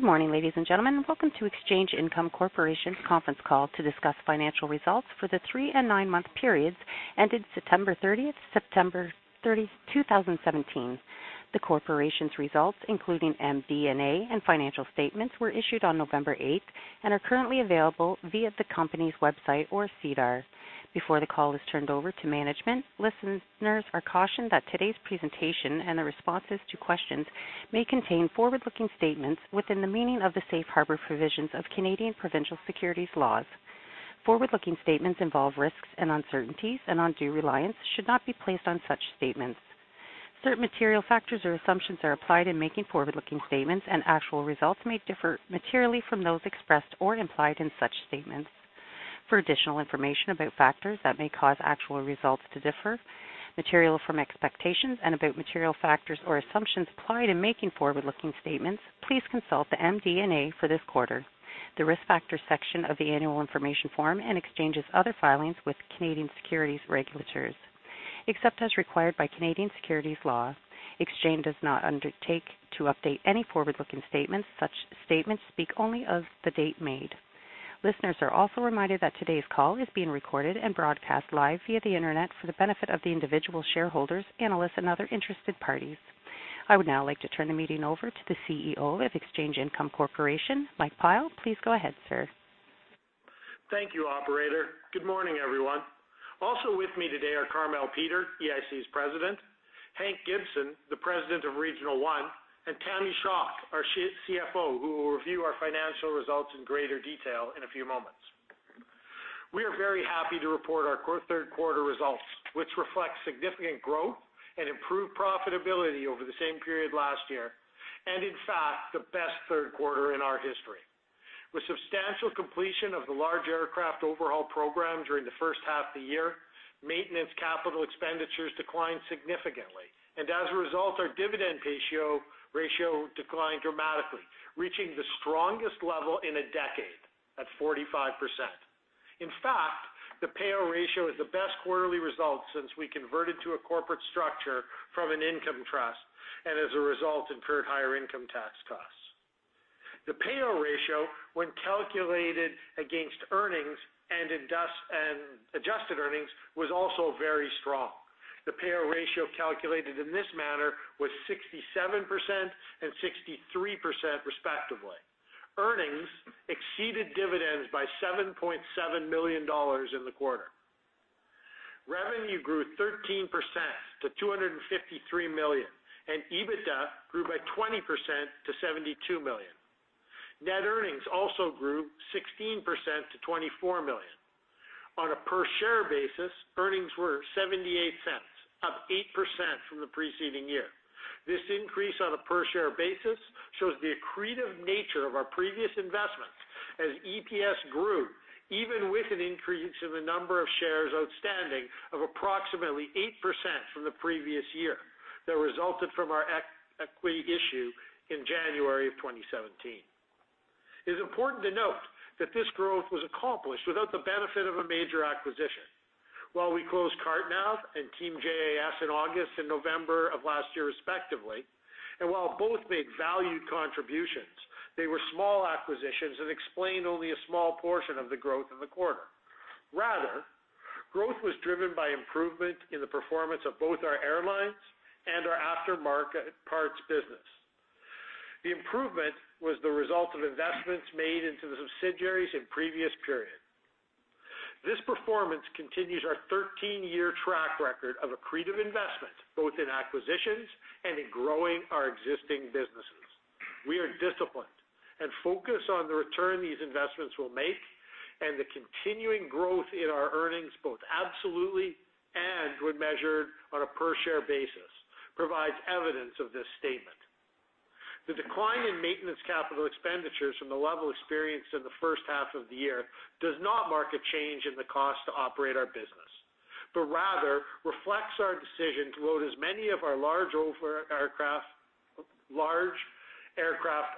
Good morning, ladies and gentlemen. Welcome to Exchange Income Corporation's conference call to discuss financial results for the three and nine-month periods ended September 30, 2017. The corporation's results, including MD&A, and financial statements, were issued on November 8 and are currently available via the company's website or SEDAR. Before the call is turned over to management, listeners are cautioned that today's presentation and the responses to questions may contain forward-looking statements within the meaning of the safe harbor provisions of Canadian provincial securities laws. Forward-looking statements involve risks and uncertainties, and undue reliance should not be placed on such statements. Certain material factors or assumptions are applied in making forward-looking statements, and actual results may differ materially from those expressed or implied in such statements. For additional information about factors that may cause actual results to differ materially from expectations and about material factors or assumptions applied in making forward-looking statements, please consult the MD&A for this quarter, the Risk Factors section of the annual information form, and Exchange's other filings with Canadian securities regulators. Except as required by Canadian securities law, Exchange does not undertake to update any forward-looking statements. Such statements speak only of the date made. Listeners are also reminded that today's call is being recorded and broadcast live via the internet for the benefit of the individual shareholders, analysts, and other interested parties. I would now like to turn the meeting over to the CEO of Exchange Income Corporation, Mike Pyle. Please go ahead, sir. Thank you, operator. Good morning, everyone. Also with me today are Carmele Peter, EIC's President, Hank Gibson, the President of Regional One, and Tammy Shaw, our CFO, who will review our financial results in greater detail in a few moments. We are very happy to report our third quarter results, which reflect significant growth and improved profitability over the same period last year, and in fact, the best third quarter in our history. With substantial completion of the large aircraft overhaul program during the first half of the year, maintenance capital expenditures declined significantly, and as a result, our dividend ratio declined dramatically, reaching the strongest level in a decade at 45%. In fact, the payout ratio is the best quarterly result since we converted to a corporate structure from an income trust and as a result, incurred higher income tax costs. The payout ratio, when calculated against earnings and adjusted earnings, was also very strong. The payout ratio calculated in this manner was 67% and 63%, respectively. Earnings exceeded dividends by 7.7 million dollars in the quarter. Revenue grew 13% to 253 million, and EBITDA grew by 20% to 72 million. Net earnings also grew 16% to 24 million. On a per-share basis, earnings were 0.78, up 8% from the preceding year. This increase on a per-share basis shows the accretive nature of our previous investments as EPS grew, even with an increase in the number of shares outstanding of approximately 8% from the previous year that resulted from our equity issue in January of 2017. It is important to note that this growth was accomplished without the benefit of a major acquisition. While we closed CartNav and Team JAS in August and November of last year, respectively, and while both made valued contributions, they were small acquisitions and explained only a small portion of the growth in the quarter. Rather, growth was driven by improvement in the performance of both our airlines and our aftermarket parts business. The improvement was the result of investments made into the subsidiaries in previous periods. This performance continues our 13-year track record of accretive investment, both in acquisitions and in growing our existing businesses. We are disciplined and focused on the return these investments will make, and the continuing growth in our earnings, both absolutely and when measured on a per-share basis, provides evidence of this statement. The decline in maintenance capital expenditures from the level experienced in the first half of the year does not mark a change in the cost to operate our business, but rather reflects our decision to load as many of our large aircraft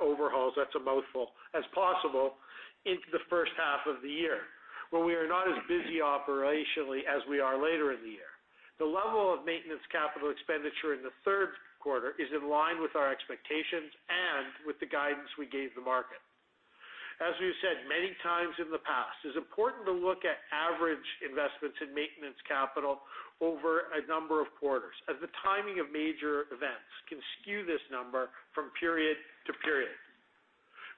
overhauls, that's a mouthful, as possible into the first half of the year, when we are not as busy operationally as we are later in the year. The level of maintenance capital expenditure in the third quarter is in line with our expectations and with the guidance we gave the market. As we've said many times in the past, it's important to look at average investments in maintenance capital over a number of quarters, as the timing of major events can skew this number from period to period.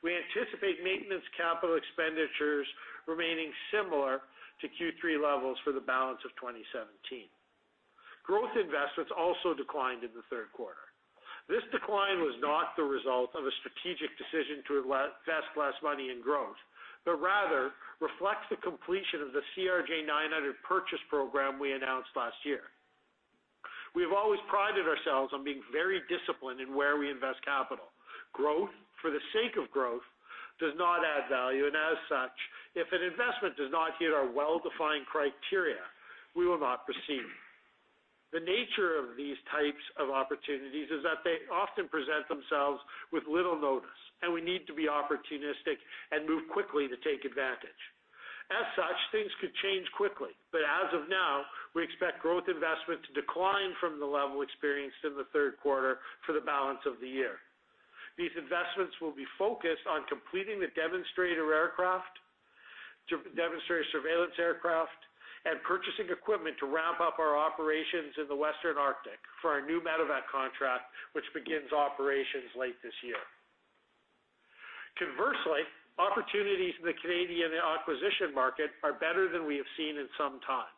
We anticipate maintenance capital expenditures remaining similar to Q3 levels for the balance of 2017. Growth investments also declined in the third quarter. This decline was not the result of a strategic decision to invest less money in growth, but rather reflects the completion of the CRJ900 purchase program we announced last year. We have always prided ourselves on being very disciplined in where we invest capital. Growth for the sake of growth does not add value, and as such, if an investment does not hit our well-defined criteria, we will not proceed. The nature of these types of opportunities is that they often present themselves with little notice, and we need to be opportunistic and move quickly to take advantage. As such, things could change quickly. As of now, we expect growth investment to decline from the level experienced in the third quarter for the balance of the year. These investments will be focused on completing the demonstrator aircraft, demonstrator surveillance aircraft, and purchasing equipment to ramp up our operations in the Western Arctic for our new Medevac contract, which begins operations late this year. Conversely, opportunities in the Canadian acquisition market are better than we have seen in some time.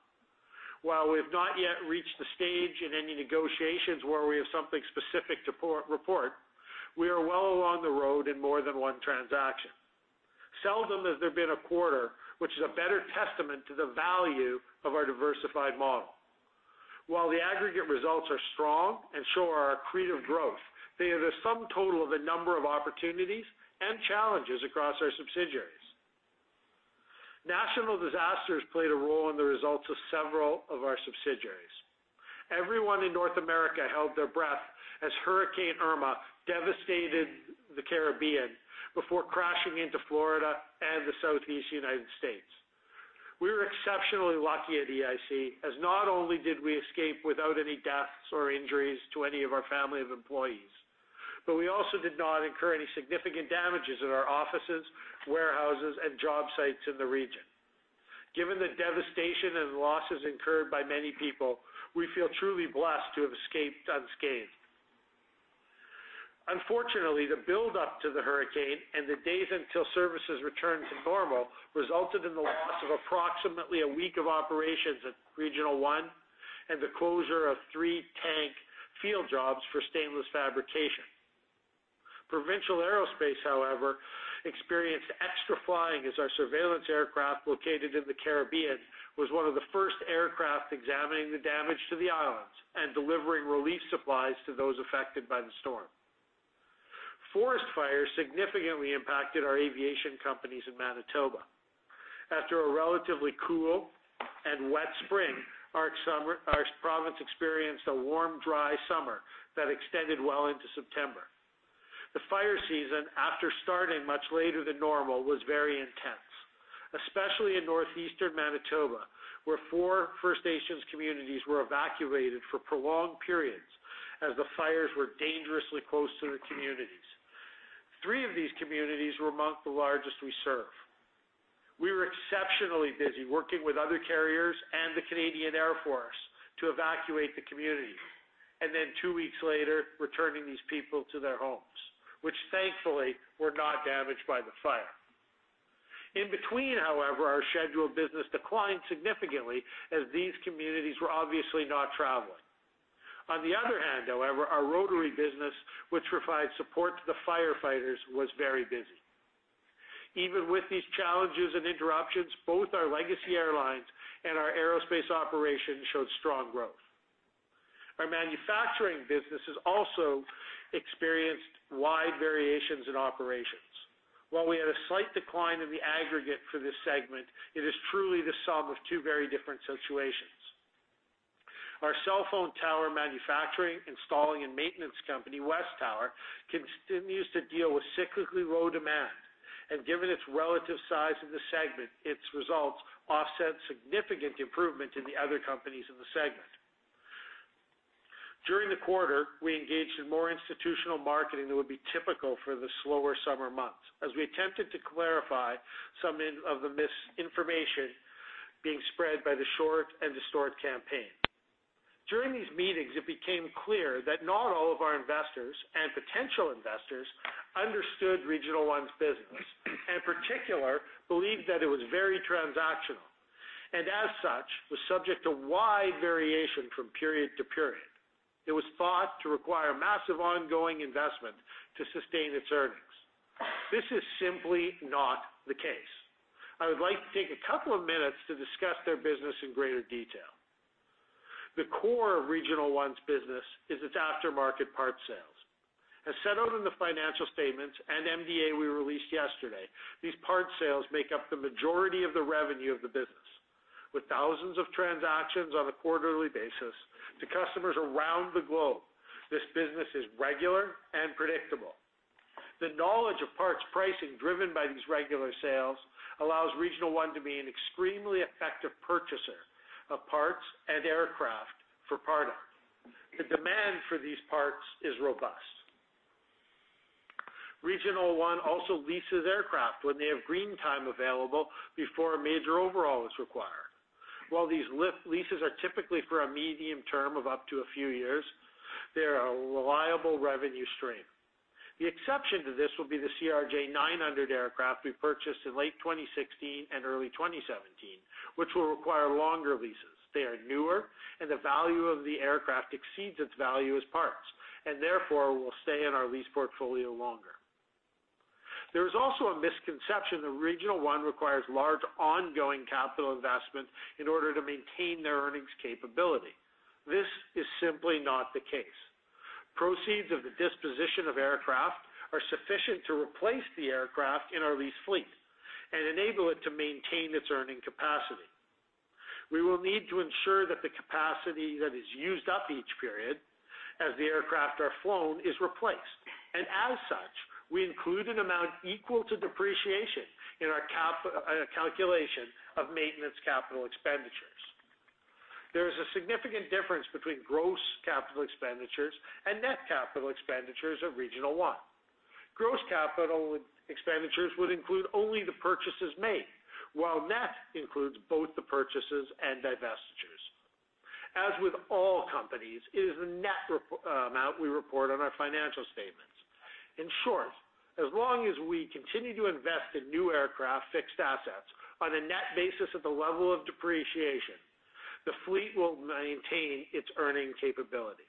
While we have not yet reached the stage in any negotiations where we have something specific to report, we are well along the road in more than one transaction. Seldom has there been a quarter which is a better testament to the value of our diversified model. While the aggregate results are strong and show our accretive growth, they are the sum total of a number of opportunities and challenges across our subsidiaries. Natural disasters played a role in the results of several of our subsidiaries. Everyone in North America held their breath as Hurricane Irma devastated the Caribbean before crashing into Florida and the Southeast United States. We were exceptionally lucky at EIC, as not only did we escape without any deaths or injuries to any of our family of employees, but we also did not incur any significant damages at our offices, warehouses, and job sites in the region. Given the devastation and losses incurred by many people, we feel truly blessed to have escaped unscathed. Unfortunately, the buildup to the hurricane and the days until services returned to normal resulted in the loss of approximately a week of operations at Regional One and the closure of three tank field jobs for Stainless Fabrication, Inc. PAL Aerospace, however, experienced extra flying as our surveillance aircraft located in the Caribbean was one of the first aircraft examining the damage to the islands and delivering relief supplies to those affected by the storm. Forest fires significantly impacted our aviation companies in Manitoba. After a relatively cool and wet spring, our province experienced a warm, dry summer that extended well into September. The fire season, after starting much later than normal, was very intense, especially in northeastern Manitoba, where four First Nations communities were evacuated for prolonged periods as the fires were dangerously close to the communities. Three of these communities were among the largest we serve. We were exceptionally busy working with other carriers and the Royal Canadian Air Force to evacuate the communities, and then two weeks later, returning these people to their homes, which thankfully were not damaged by the fire. In between, however, our scheduled business declined significantly as these communities were obviously not traveling. On the other hand, however, our rotary business, which provided support to the firefighters, was very busy. Even with these challenges and interruptions, both our Legacy Airlines and our aerospace operations showed strong growth. Our manufacturing businesses also experienced wide variations in operations. While we had a slight decline in the aggregate for this segment, it is truly the sum of two very different situations. Our cell phone tower manufacturing, installing, and maintenance company, WesTower, continues to deal with cyclically low demand. Given its relative size in the segment, its results offset significant improvement in the other companies in the segment. During the quarter, we engaged in more institutional marketing than would be typical for the slower summer months, as we attempted to clarify some of the misinformation being spread by the short and distort campaign. During these meetings, it became clear that not all of our investors and potential investors understood Regional One's business, and in particular, believed that it was very transactional, and as such, was subject to wide variation from period to period. It was thought to require massive ongoing investment to sustain its earnings. This is simply not the case. I would like to take a couple of minutes to discuss their business in greater detail. The core of Regional One's business is its aftermarket parts sales. As set out in the financial statements and MD&A we released yesterday, these parts sales make up the majority of the revenue of the business. With thousands of transactions on a quarterly basis to customers around the globe, this business is regular and predictable. The knowledge of parts pricing driven by these regular sales allows Regional One to be an extremely effective purchaser of parts and aircraft for part-out. The demand for these parts is robust. Regional One also leases aircraft when they have green time available before a major overhaul is required. While these leases are typically for a medium term of up to a few years, they're a reliable revenue stream. The exception to this will be the CRJ900 aircraft we purchased in late 2016 and early 2017, which will require longer leases. They are newer and the value of the aircraft exceeds its value as parts, and therefore will stay in our lease portfolio longer. There is also a misconception that Regional One requires large ongoing capital investment in order to maintain their earnings capability. This is simply not the case. Proceeds of the disposition of aircraft are sufficient to replace the aircraft in our lease fleet and enable it to maintain its earning capacity. We will need to ensure that the capacity that is used up each period as the aircraft are flown is replaced. As such, we include an amount equal to depreciation in our calculation of maintenance capital expenditures. There is a significant difference between gross capital expenditures and net capital expenditures of Regional One. Gross capital expenditures would include only the purchases made, while net includes both the purchases and divestitures. As with all companies, it is the net amount we report on our financial statements. In short, as long as we continue to invest in new aircraft fixed assets on a net basis at the level of depreciation, the fleet will maintain its earning capability.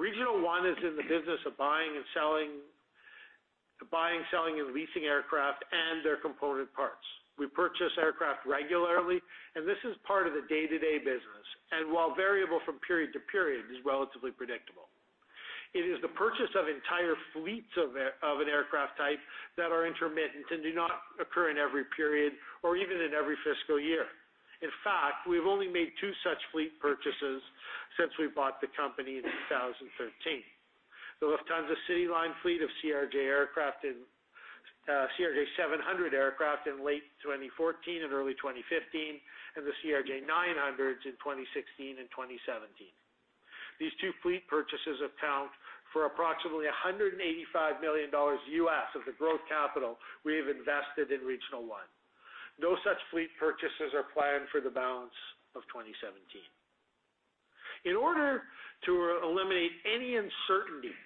Regional One is in the business of buying, selling, and leasing aircraft and their component parts. We purchase aircraft regularly, and this is part of the day-to-day business, and while variable from period to period, is relatively predictable. It is the purchase of entire fleets of an aircraft type that are intermittent and do not occur in every period or even in every fiscal year. In fact, we've only made two such fleet purchases since we bought the company in 2013. The Lufthansa CityLine fleet of CRJ700 aircraft in late 2014 and early 2015, and the CRJ900s in 2016 and 2017. These two fleet purchases account for approximately $185 million US of the growth capital we have invested in Regional One. No such fleet purchases are planned for the balance of 2017. In order to eliminate any uncertainty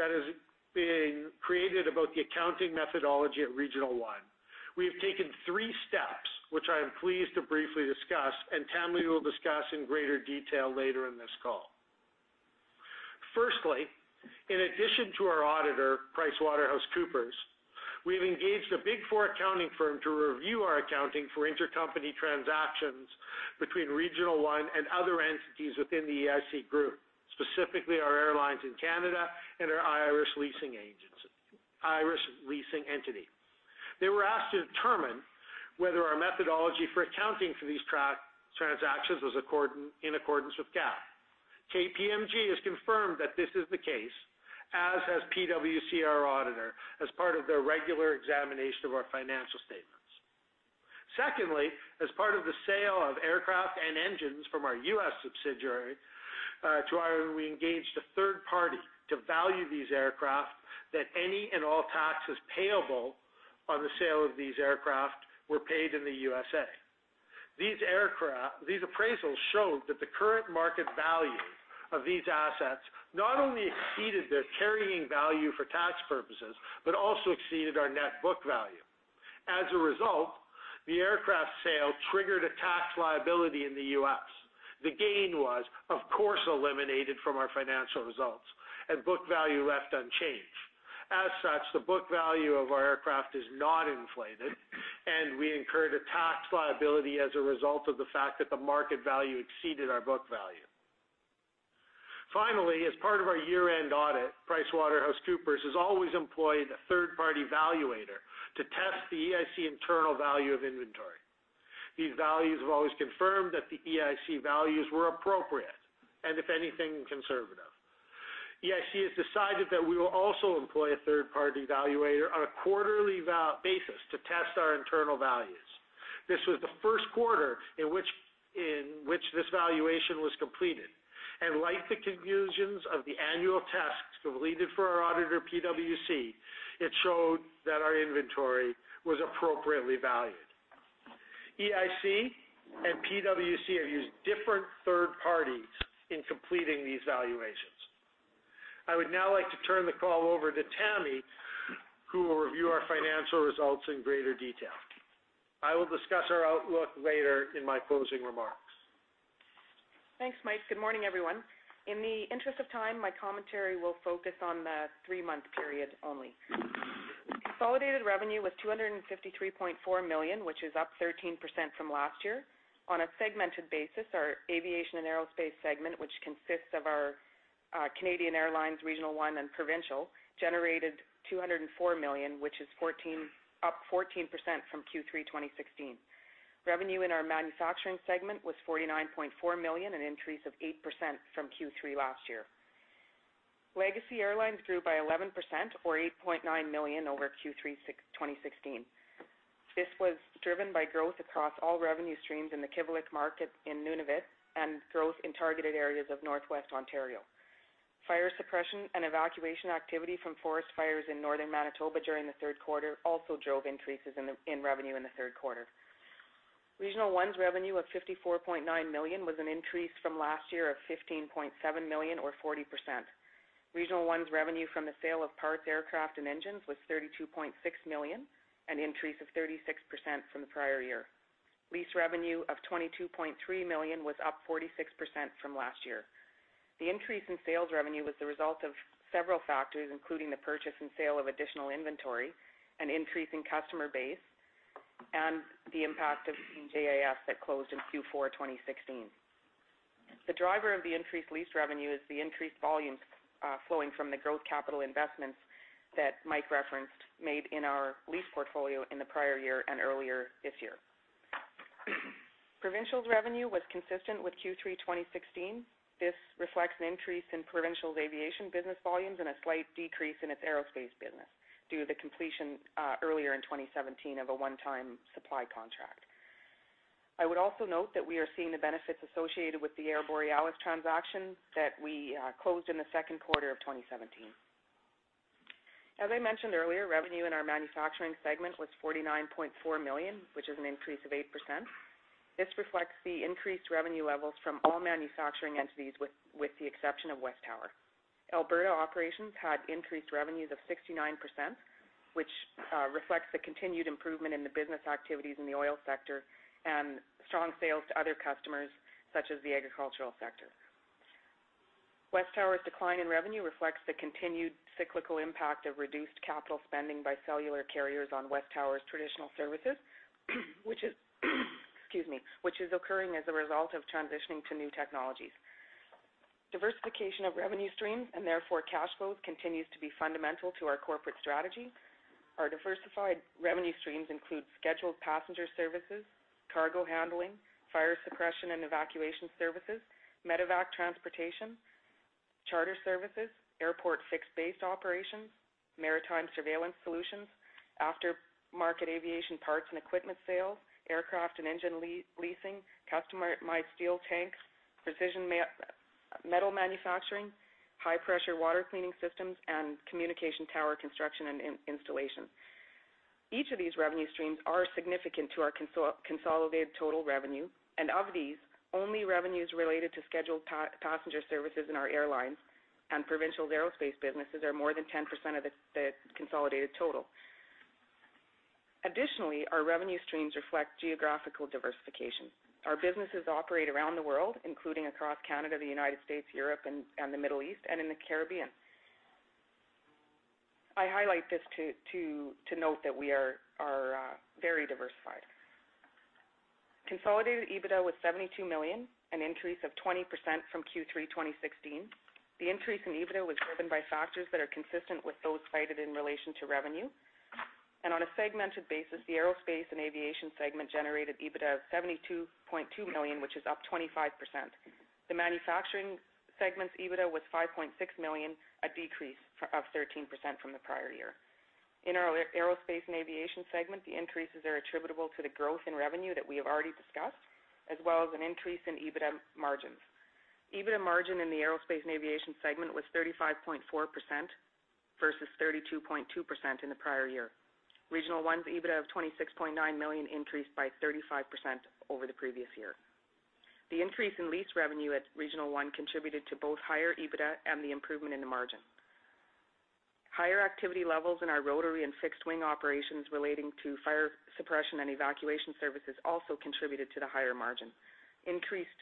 that has been created about the accounting methodology at Regional One, we have taken three steps, which I am pleased to briefly discuss, and Tammy will discuss in greater detail later in this call. Firstly, in addition to our auditor, PricewaterhouseCoopers, we've engaged a Big Four accounting firm to review our accounting for intercompany transactions between Regional One and other entities within the EIC group, specifically our airlines in Canada and our Irish leasing entity. They were asked to determine whether our methodology for accounting for these transactions was in accordance with GAAP. KPMG has confirmed that this is the case, as has PwC, our auditor, as part of their regular examination of our financial statements. Secondly, as part of the sale of aircraft and engines from our U.S. subsidiary, we engaged a third party to value these aircraft that any and all taxes payable on the sale of these aircraft were paid in the U.S.A. These appraisals showed that the current market value of these assets not only exceeded their carrying value for tax purposes, but also exceeded our net book value. As a result, the aircraft sale triggered a tax liability in the U.S. The gain was, of course, eliminated from our financial results and book value left unchanged. As such, the book value of our aircraft is not inflated, and we incurred a tax liability as a result of the fact that the market value exceeded our book value. Finally, as part of our year-end audit, PricewaterhouseCoopers has always employed a third-party valuator to test the EIC internal value of inventory. These values have always confirmed that the EIC values were appropriate, if anything, conservative. EIC has decided that we will also employ a third-party valuator on a quarterly basis to test our internal values. This was the first quarter in which this valuation was completed. Like the conclusions of the annual tests completed for our auditor, PwC, it showed that our inventory was appropriately valued. EIC and PwC have used different third parties in completing these valuations. I would now like to turn the call over to Tammy, who will review our financial results in greater detail. I will discuss our outlook later in my closing remarks. Thanks, Mike. Good morning, everyone. In the interest of time, my commentary will focus on the three-month period only. Consolidated revenue was CAD 253.4 million, which is up 13% from last year. On a segmented basis, our aviation and aerospace segment, which consists of our Canadian Airlines, Regional One, and Provincial, generated 204 million, which is up 14% from Q3 2016. Revenue in our manufacturing segment was 49.4 million, an increase of 8% from Q3 last year. Legacy Airlines grew by 11% or 8.9 million over Q3 2016. This was driven by growth across all revenue streams in the Kivalliq market in Nunavut and growth in targeted areas of Northwest Ontario. Fire suppression and evacuation activity from forest fires in northern Manitoba during the third quarter also drove increases in revenue in the third quarter. Regional One's revenue of 54.9 million was an increase from last year of 15.7 million or 40%. Regional One's revenue from the sale of parts, aircraft, and engines was 32.6 million, an increase of 36% from the prior year. Lease revenue of 22.3 million was up 46% from last year. The increase in sales revenue was the result of several factors, including the purchase and sale of additional inventory, an increase in customer base, and the impact of JAS that closed in Q4 2016. The driver of the increased lease revenue is the increased volumes flowing from the growth capital investments that Mike referenced made in our lease portfolio in the prior year and earlier this year. Provincial's revenue was consistent with Q3 2016. This reflects an increase in Provincial's aviation business volumes and a slight decrease in its aerospace business due to the completion earlier in 2017 of a one-time supply contract. I would also note that we are seeing the benefits associated with the Air Borealis transaction that we closed in the second quarter of 2017. As I mentioned earlier, revenue in our manufacturing segment was 49.4 million, which is an increase of 8%. This reflects the increased revenue levels from all manufacturing entities with the exception of WesTower. Alberta operations had increased revenues of 69%, which reflects the continued improvement in the business activities in the oil sector and strong sales to other customers such as the agricultural sector. WesTower's decline in revenue reflects the continued cyclical impact of reduced capital spending by cellular carriers on WesTower's traditional services, which is occurring as a result of transitioning to new technologies. Diversification of revenue streams, and therefore cash flows, continues to be fundamental to our corporate strategy. Our diversified revenue streams include scheduled passenger services, cargo handling, fire suppression and evacuation services, Medevac transportation, charter services, airport fixed-based operations, maritime surveillance solutions, after-market aviation parts and equipment sales, aircraft and engine leasing, customized steel tanks, precision metal manufacturing, high-pressure water cleaning systems, and communication tower construction and installation. Each of these revenue streams are significant to our consolidated total revenue, and of these, only revenues related to scheduled passenger services in our airlines and Provincial's aerospace businesses are more than 10% of the consolidated total. Additionally, our revenue streams reflect geographical diversification. Our businesses operate around the world, including across Canada, the United States, Europe and the Middle East, and in the Caribbean. I highlight this to note that we are very diversified. Consolidated EBITDA was 72 million, an increase of 20% from Q3 2016. The increase in EBITDA was driven by factors that are consistent with those cited in relation to revenue. On a segmented basis, the aerospace and aviation segment generated EBITDA of 72.2 million, which is up 25%. The manufacturing segment's EBITDA was 5.6 million, a decrease of 13% from the prior year. In our aerospace and aviation segment, the increases are attributable to the growth in revenue that we have already discussed, as well as an increase in EBITDA margins. EBITDA margin in the aerospace and aviation segment was 35.4% versus 32.2% in the prior year. Regional One's EBITDA of 26.9 million increased by 35% over the previous year. The increase in lease revenue at Regional One contributed to both higher EBITDA and the improvement in the margin. Higher activity levels in our rotary and fixed-wing operations relating to fire suppression and evacuation services also contributed to the higher margin. Increased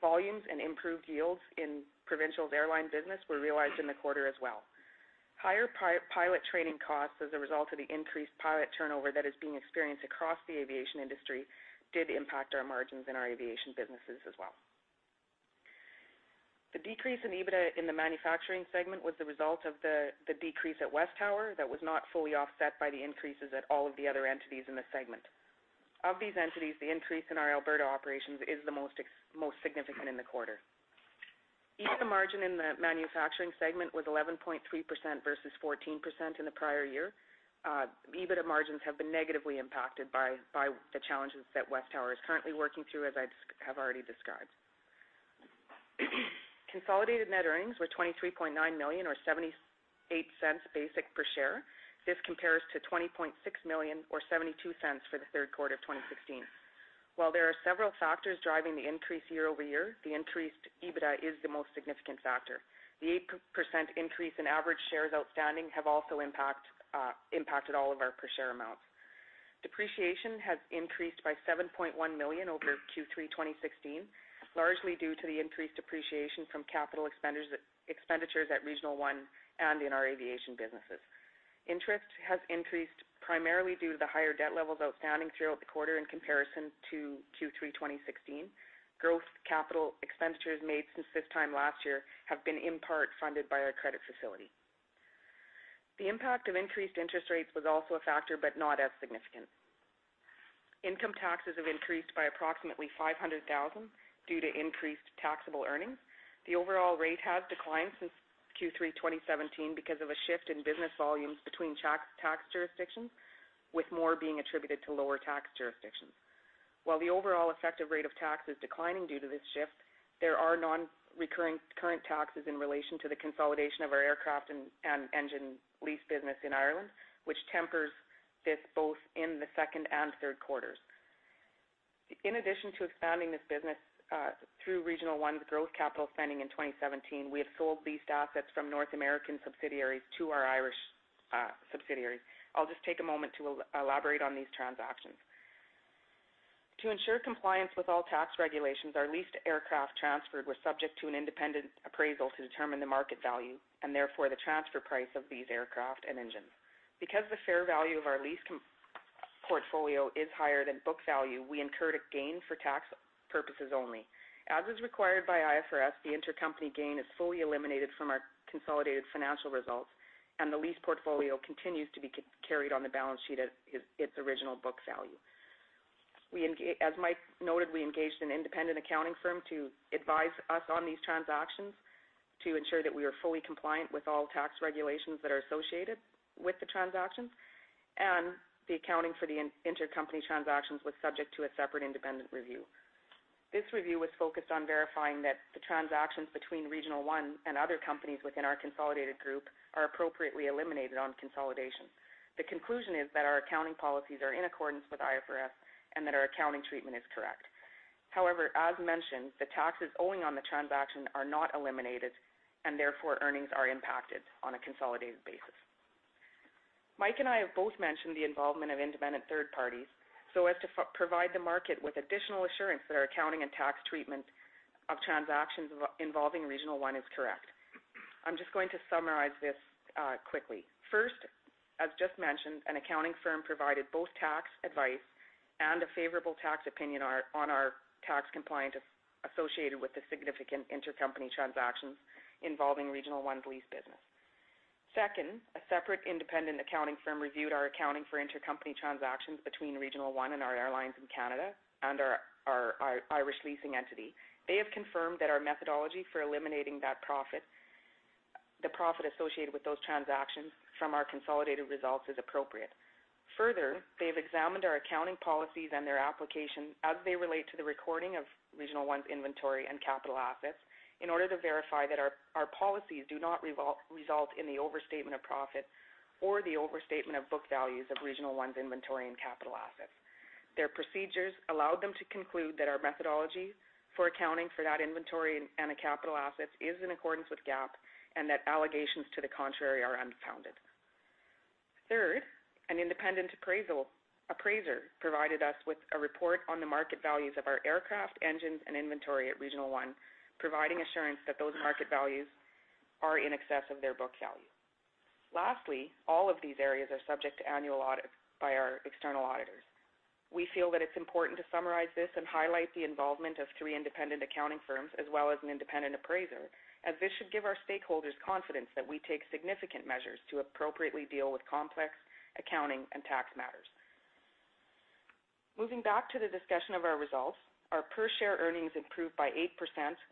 volumes and improved yields in Provincial's airline business were realized in the quarter as well. Higher pilot training costs as a result of the increased pilot turnover that is being experienced across the aviation industry did impact our margins in our aviation businesses as well. The decrease in EBITDA in the manufacturing segment was the result of the decrease at WesTower that was not fully offset by the increases at all of the other entities in the segment. Of these entities, the increase in our Alberta operations is the most significant in the quarter. EBITDA margin in the manufacturing segment was 11.3% versus 14% in the prior year. EBITDA margins have been negatively impacted by the challenges that WesTower is currently working through, as I have already described. Consolidated net earnings were CAD 23.9 million, or 0.78 basic per share. This compares to CAD 20.6 million or 0.72 for the third quarter of 2016. While there are several factors driving the increase year-over-year, the increased EBITDA is the most significant factor. The 8% increase in average shares outstanding have also impacted all of our per share amounts. Depreciation has increased by 7.1 million over Q3 2016, largely due to the increased depreciation from capital expenditures at Regional One and in our aviation businesses. Interest has increased primarily due to the higher debt levels outstanding throughout the quarter in comparison to Q3 2016. Growth capital expenditures made since this time last year have been in part funded by our credit facility. The impact of increased interest rates was also a factor, but not as significant. Income taxes have increased by approximately 500,000 due to increased taxable earnings. The overall rate has declined since Q3 2017 because of a shift in business volumes between tax jurisdictions, with more being attributed to lower tax jurisdictions. While the overall effective rate of tax is declining due to this shift, there are non-recurring current taxes in relation to the consolidation of our aircraft and engine lease business in Ireland, which tempers this both in the second and third quarters. In addition to expanding this business through Regional One's growth capital spending in 2017, we have sold leased assets from North American subsidiaries to our Irish subsidiaries. I'll just take a moment to elaborate on these transactions. To ensure compliance with all tax regulations, our leased aircraft transferred were subject to an independent appraisal to determine the market value and therefore the transfer price of these aircraft and engines. Because the fair value of our lease Portfolio is higher than book value, we incurred a gain for tax purposes only. As is required by IFRS, the intercompany gain is fully eliminated from our consolidated financial results, and the lease portfolio continues to be carried on the balance sheet at its original book value. As Mike noted, we engaged an independent accounting firm to advise us on these transactions to ensure that we are fully compliant with all tax regulations that are associated with the transactions, and the accounting for the intercompany transactions was subject to a separate independent review. This review was focused on verifying that the transactions between Regional One and other companies within our consolidated group are appropriately eliminated on consolidation. The conclusion is that our accounting policies are in accordance with IFRS and that our accounting treatment is correct. However, as mentioned, the taxes owing on the transaction are not eliminated and therefore earnings are impacted on a consolidated basis. Mike and I have both mentioned the involvement of independent third parties so as to provide the market with additional assurance that our accounting and tax treatment of transactions involving Regional One is correct. I'm just going to summarize this quickly. First, as just mentioned, an accounting firm provided both tax advice and a favorable tax opinion on our tax compliance associated with the significant intercompany transactions involving Regional One's lease business. Second, a separate independent accounting firm reviewed our accounting for intercompany transactions between Regional One and our airlines in Canada and our Irish leasing entity. They have confirmed that our methodology for eliminating the profit associated with those transactions from our consolidated results is appropriate. Further, they have examined our accounting policies and their application as they relate to the recording of Regional One's inventory and capital assets in order to verify that our policies do not result in the overstatement of profit or the overstatement of book values of Regional One's inventory and capital assets. Their procedures allowed them to conclude that our methodology for accounting for that inventory and the capital assets is in accordance with GAAP and that allegations to the contrary are unfounded. Third, an independent appraiser provided us with a report on the market values of our aircraft, engines, and inventory at Regional One, providing assurance that those market values are in excess of their book value. Lastly, all of these areas are subject to annual audit by our external auditors. We feel that it's important to summarize this and highlight the involvement of three independent accounting firms as well as an independent appraiser, as this should give our stakeholders confidence that we take significant measures to appropriately deal with complex accounting and tax matters. Moving back to the discussion of our results, our per share earnings improved by 8%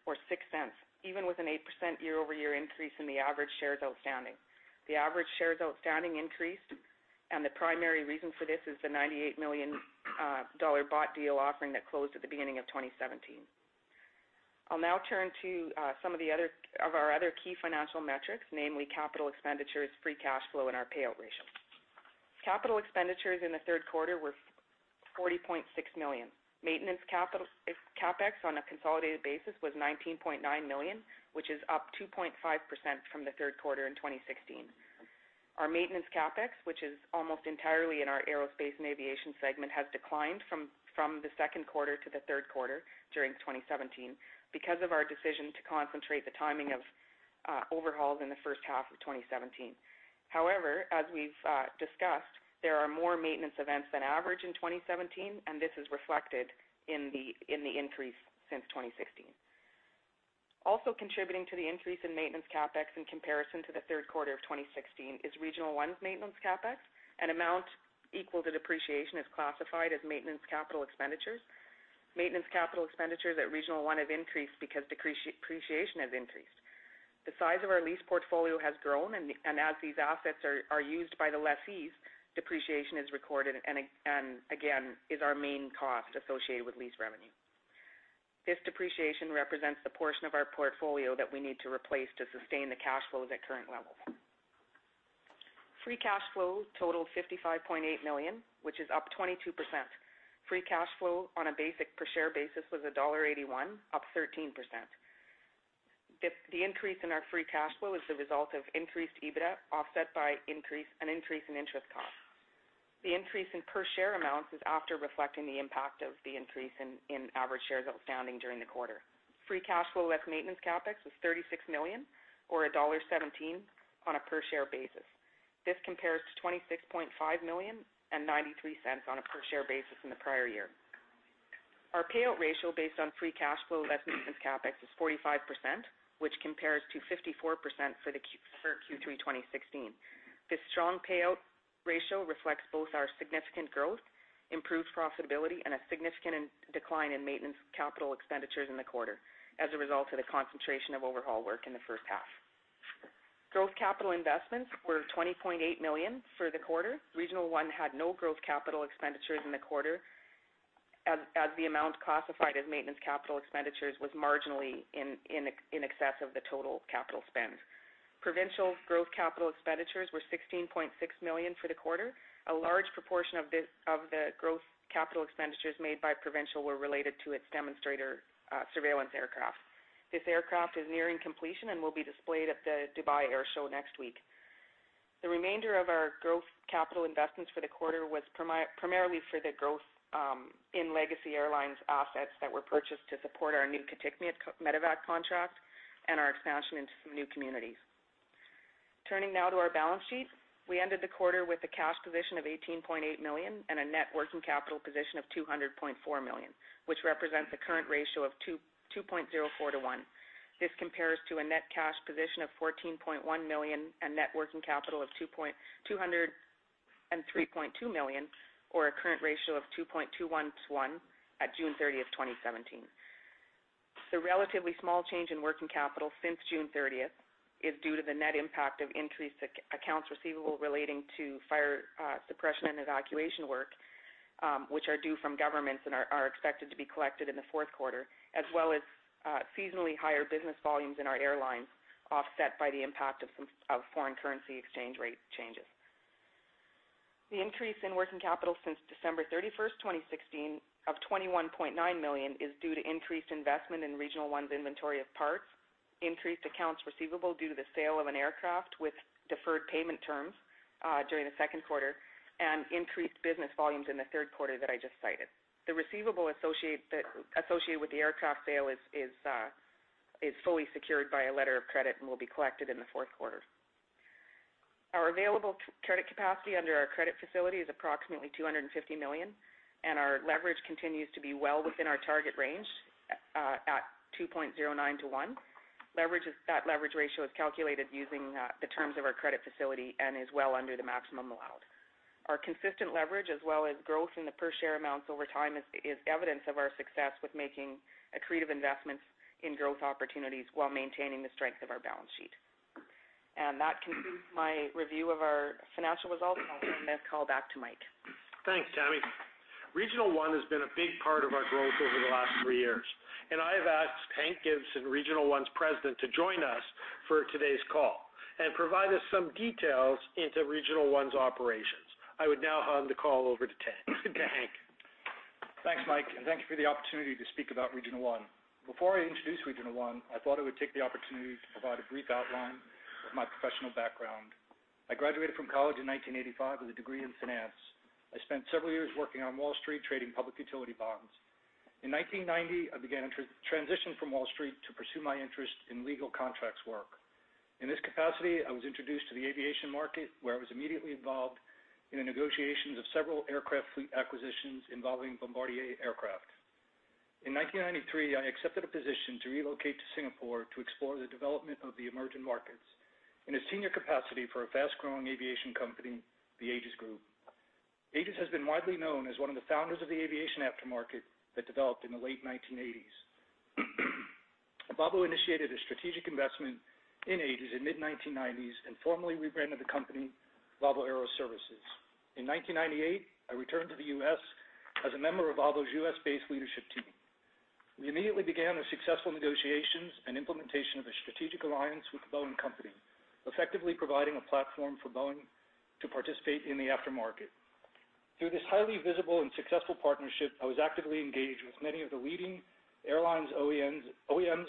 or 0.06, even with an 8% year-over-year increase in the average shares outstanding. The average shares outstanding increased, and the primary reason for this is the 98 million dollar bought deal offering that closed at the beginning of 2017. I'll now turn to some of our other key financial metrics, namely capital expenditures, free cash flow, and our payout ratio. Capital expenditures in the third quarter were 40.6 million. Maintenance CapEx on a consolidated basis was 19.9 million, which is up 2.5% from the third quarter in 2016. Our maintenance CapEx, which is almost entirely in our aerospace and aviation segment, has declined from the second quarter to the third quarter during 2017 because of our decision to concentrate the timing of overhauls in the first half of 2017. However, as we've discussed, there are more maintenance events than average in 2017, and this is reflected in the increase since 2016. Also contributing to the increase in maintenance CapEx in comparison to the third quarter of 2016 is Regional One's maintenance CapEx. An amount equal to depreciation is classified as maintenance capital expenditures. Maintenance capital expenditures at Regional One have increased because depreciation has increased. The size of our lease portfolio has grown, and as these assets are used by the lessees, depreciation is recorded and again, is our main cost associated with lease revenue. This depreciation represents the portion of our portfolio that we need to replace to sustain the cash flows at current levels. Free cash flow totaled 55.8 million, which is up 22%. Free cash flow on a basic per share basis was dollar 1.81, up 13%. The increase in our free cash flow is the result of increased EBITDA offset by an increase in interest cost. The increase in per share amounts is after reflecting the impact of the increase in average shares outstanding during the quarter. Free cash flow less maintenance CapEx was 36 million or dollar 1.17 on a per share basis. This compares to 26.5 million and 0.93 on a per share basis in the prior year. Our payout ratio based on free cash flow less maintenance CapEx is 45%, which compares to 54% for Q3 2016. This strong payout ratio reflects both our significant growth, improved profitability, and a significant decline in maintenance capital expenditures in the quarter as a result of the concentration of overhaul work in the first half. Growth capital investments were 20.8 million for the quarter. Regional One had no growth capital expenditures in the quarter as the amount classified as maintenance capital expenditures was marginally in excess of the total capital spend. Provincial growth capital expenditures were 16.6 million for the quarter. A large proportion of the growth capital expenditures made by Provincial were related to its demonstrator surveillance aircraft. This aircraft is nearing completion and will be displayed at the Dubai Airshow next week. The remainder of our growth capital investments for the quarter was primarily for the growth in Legacy Airlines assets that were purchased to support our new [technique in] Medevac contract and our expansion into some new communities. Turning now to our balance sheet. We ended the quarter with a cash position of 18.8 million and a net working capital position of 200.4 million, which represents a current ratio of 2.04 to one. This compares to a net cash position of CAD 14.1 million and net working capital of CAD 203.2 million, or a current ratio of 2.21 to one at June 30th, 2017. The relatively small change in working capital since June 30th is due to the net impact of increased accounts receivable relating to fire suppression and evacuation work, which are due from governments and are expected to be collected in the fourth quarter, as well as seasonally higher business volumes in our airlines, offset by the impact of foreign currency exchange rate changes. The increase in working capital since December 31st, 2016 of CAD 21.9 million is due to increased investment in Regional One's inventory of parts, increased accounts receivable due to the sale of an aircraft with deferred payment terms during the second quarter, and increased business volumes in the third quarter that I just cited. The receivable associated with the aircraft sale is fully secured by a letter of credit and will be collected in the fourth quarter. Our available credit capacity under our credit facility is approximately 250 million, and our leverage continues to be well within our target range at 2.09 to 1. That leverage ratio is calculated using the terms of our credit facility and is well under the maximum allowed. Our consistent leverage as well as growth in the per share amounts over time is evidence of our success with making accretive investments in growth opportunities while maintaining the strength of our balance sheet. That concludes my review of our financial results. I'll now hand the call back to Mike. Thanks, Tammy. Regional One has been a big part of our growth over the last three years, and I have asked Hank Gibson, Regional One's President, to join us for today's call and provide us some details into Regional One's operations. I would now hand the call over to Hank. Thanks, Mike. Thank you for the opportunity to speak about Regional One. Before I introduce Regional One, I thought I would take the opportunity to provide a brief outline of my professional background. I graduated from college in 1985 with a degree in finance. I spent several years working on Wall Street, trading public utility bonds. In 1990, I began a transition from Wall Street to pursue my interest in legal contracts work. In this capacity, I was introduced to the aviation market, where I was immediately involved in the negotiations of several aircraft fleet acquisitions involving Bombardier aircraft. In 1993, I accepted a position to relocate to Singapore to explore the development of the emerging markets in a senior capacity for a fast-growing aviation company, the Aegis Group. Aegis has been widely known as one of the founders of the aviation aftermarket that developed in the late 1980s. Volvo initiated a strategic investment in Aegis in mid-1990s and formally rebranded the company Volvo Aero Services. In 1998, I returned to the U.S. as a member of Volvo's U.S.-based leadership team. We immediately began the successful negotiations and implementation of a strategic alliance with Boeing Company, effectively providing a platform for Boeing to participate in the aftermarket. Through this highly visible and successful partnership, I was actively engaged with many of the leading airlines, OEMs,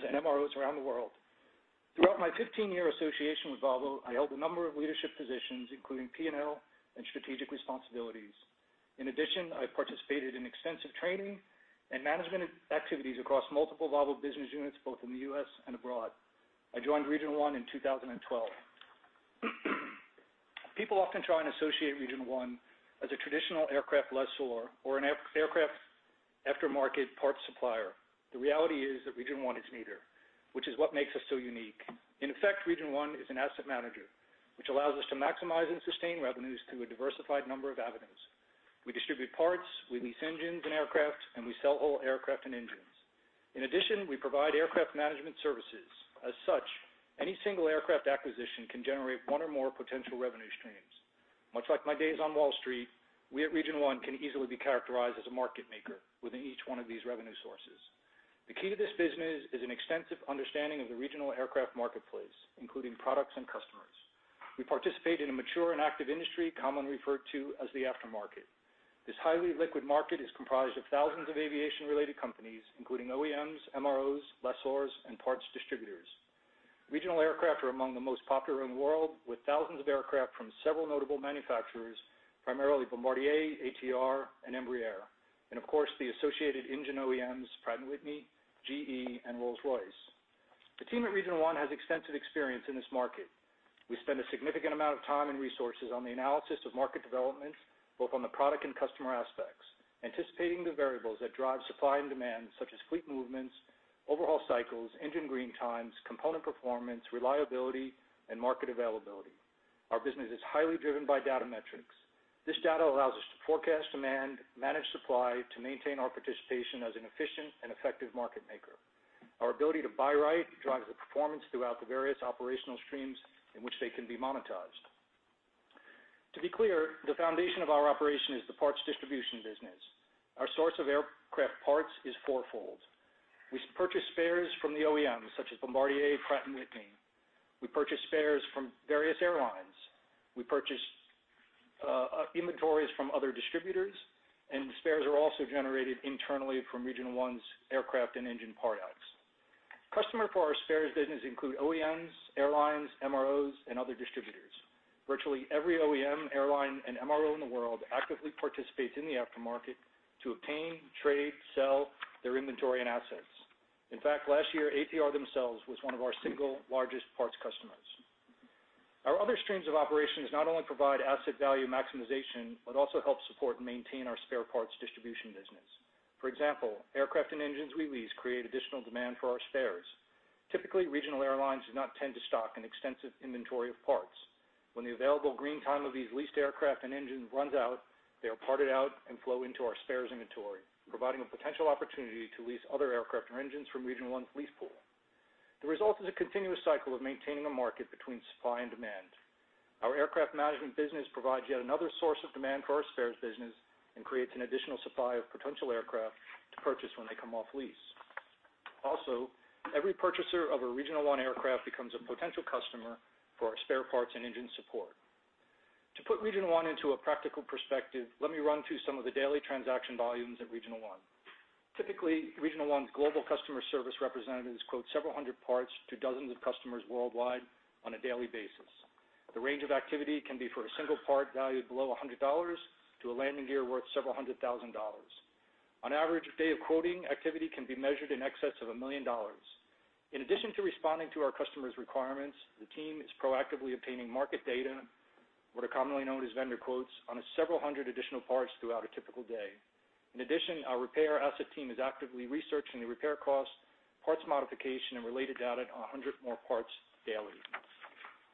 and MROs around the world. Throughout my 15-year association with Volvo, I held a number of leadership positions, including P&L and strategic responsibilities. In addition, I participated in extensive training and management activities across multiple Volvo business units, both in the U.S. and abroad. I joined Regional One in 2012. People often try and associate Regional One as a traditional aircraft lessor or an aircraft aftermarket parts supplier. The reality is that Regional One is neither, which is what makes us so unique. In effect, Regional One is an asset manager, which allows us to maximize and sustain revenues through a diversified number of avenues. We distribute parts, we lease engines and aircraft, and we sell whole aircraft and engines. In addition, we provide aircraft management services. As such, any single aircraft acquisition can generate one or more potential revenue streams. Much like my days on Wall Street, we at Regional One can easily be characterized as a market maker within each one of these revenue sources. The key to this business is an extensive understanding of the regional aircraft marketplace, including products and customers. We participate in a mature and active industry, commonly referred to as the aftermarket. This highly liquid market is comprised of thousands of aviation-related companies, including OEMs, MROs, lessors, and parts distributors. Regional aircraft are among the most popular in the world, with thousands of aircraft from several notable manufacturers, primarily Bombardier, ATR, and Embraer, and of course, the associated engine OEMs, Pratt & Whitney, GE, and Rolls-Royce. The team at Regional One has extensive experience in this market. We spend a significant amount of time and resources on the analysis of market developments, both on the product and customer aspects, anticipating the variables that drive supply and demand, such as fleet movements, overhaul cycles, engine green times, component performance, reliability, and market availability. Our business is highly driven by data metrics. This data allows us to forecast demand, manage supply to maintain our participation as an efficient and effective market maker. Our ability to buy right drives the performance throughout the various operational streams in which they can be monetized. To be clear, the foundation of our operation is the parts distribution business. Our source of aircraft parts is fourfold. We purchase spares from the OEMs, such as Bombardier, Pratt & Whitney. We purchase spares from various airlines. We purchase inventories from other distributors, and spares are also generated internally from Regional One's aircraft and engine part hubs. Customers for our spares business include OEMs, airlines, MROs, and other distributors. Virtually every OEM, airline, and MRO in the world actively participates in the aftermarket to obtain, trade, sell their inventory and assets. In fact, last year, ATR themselves was one of our single largest parts customers. Our other streams of operations not only provide asset value maximization, but also help support and maintain our spare parts distribution business. For example, aircraft and engines we lease create additional demand for our spares. Typically, regional airlines do not tend to stock an extensive inventory of parts. When the available green time of these leased aircraft and engines runs out, they are parted out and flow into our spares inventory, providing a potential opportunity to lease other aircraft or engines from Regional One's lease pool. The result is a continuous cycle of maintaining a market between supply and demand. Our aircraft management business provides yet another source of demand for our spares business and creates an additional supply of potential aircraft to purchase when they come off lease. Also, every purchaser of a Regional One aircraft becomes a potential customer for our spare parts and engine support. To put Regional One into a practical perspective, let me run through some of the daily transaction volumes at Regional One. Typically, Regional One's global customer service representatives quote several hundred parts to dozens of customers worldwide on a daily basis. The range of activity can be for a single part valued below 100 dollars to a landing gear worth several hundred thousand CAD. On average, a day of quoting activity can be measured in excess of 1 million dollars. In addition to responding to our customers' requirements, the team is proactively obtaining market data, what are commonly known as vendor quotes, on several hundred additional parts throughout a typical day. In addition, our repair asset team is actively researching the repair cost, parts modification, and related data on 100 more parts daily.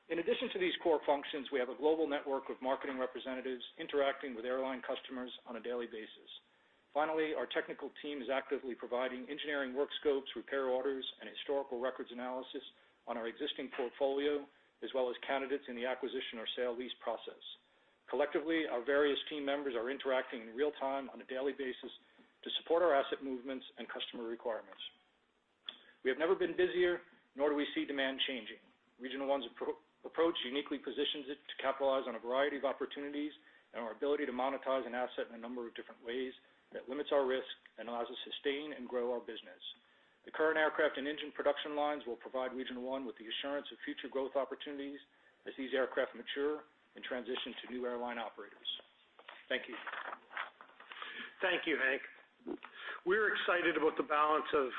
In addition to these core functions, we have a global network of marketing representatives interacting with airline customers on a daily basis. Finally, our technical team is actively providing engineering work scopes, repair orders, and historical records analysis on our existing portfolio, as well as candidates in the acquisition or sale lease process. Collectively, our various team members are interacting in real time on a daily basis to support our asset movements and customer requirements. We have never been busier, nor do we see demand changing. Regional One's approach uniquely positions it to capitalize on a variety of opportunities and our ability to monetize an asset in a number of different ways that limits our risk and allows us to sustain and grow our business. The current aircraft and engine production lines will provide Regional One with the assurance of future growth opportunities as these aircraft mature and transition to new airline operators. Thank you. Thank you, Hank. We're excited about the balance of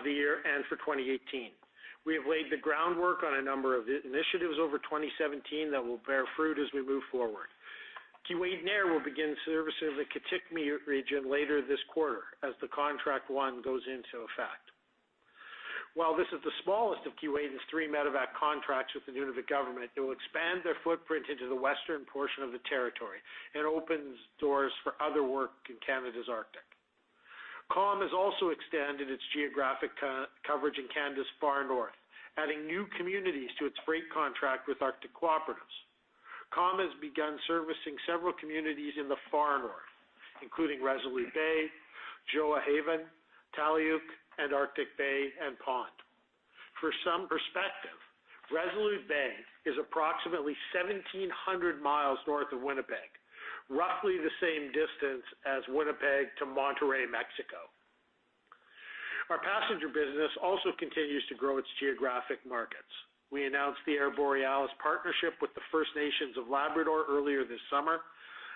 the year and for 2018. We have laid the groundwork on a number of initiatives over 2017 that will bear fruit as we move forward. Keewatin Air will begin services at Kitikmeot Region later this quarter as the contract 1 goes into effect. While this is the smallest of Keewatin Air's three medevac contracts with the Nunavut government, it will expand their footprint into the western portion of the territory and opens doors for other work in Canada's Arctic. Calm has also extended its geographic coverage in Canada's far north, adding new communities to its freight contract with Arctic cooperatives. Calm has begun servicing several communities in the far north, including Resolute Bay, Gjoa Haven, Taloyoak, and Arctic Bay, and Pond. For some perspective, Resolute Bay is approximately 1,700 miles north of Winnipeg, roughly the same distance as Winnipeg to Monterrey, Mexico. Our passenger business also continues to grow its geographic markets. We announced the Air Borealis partnership with the First Nations of Labrador earlier this summer,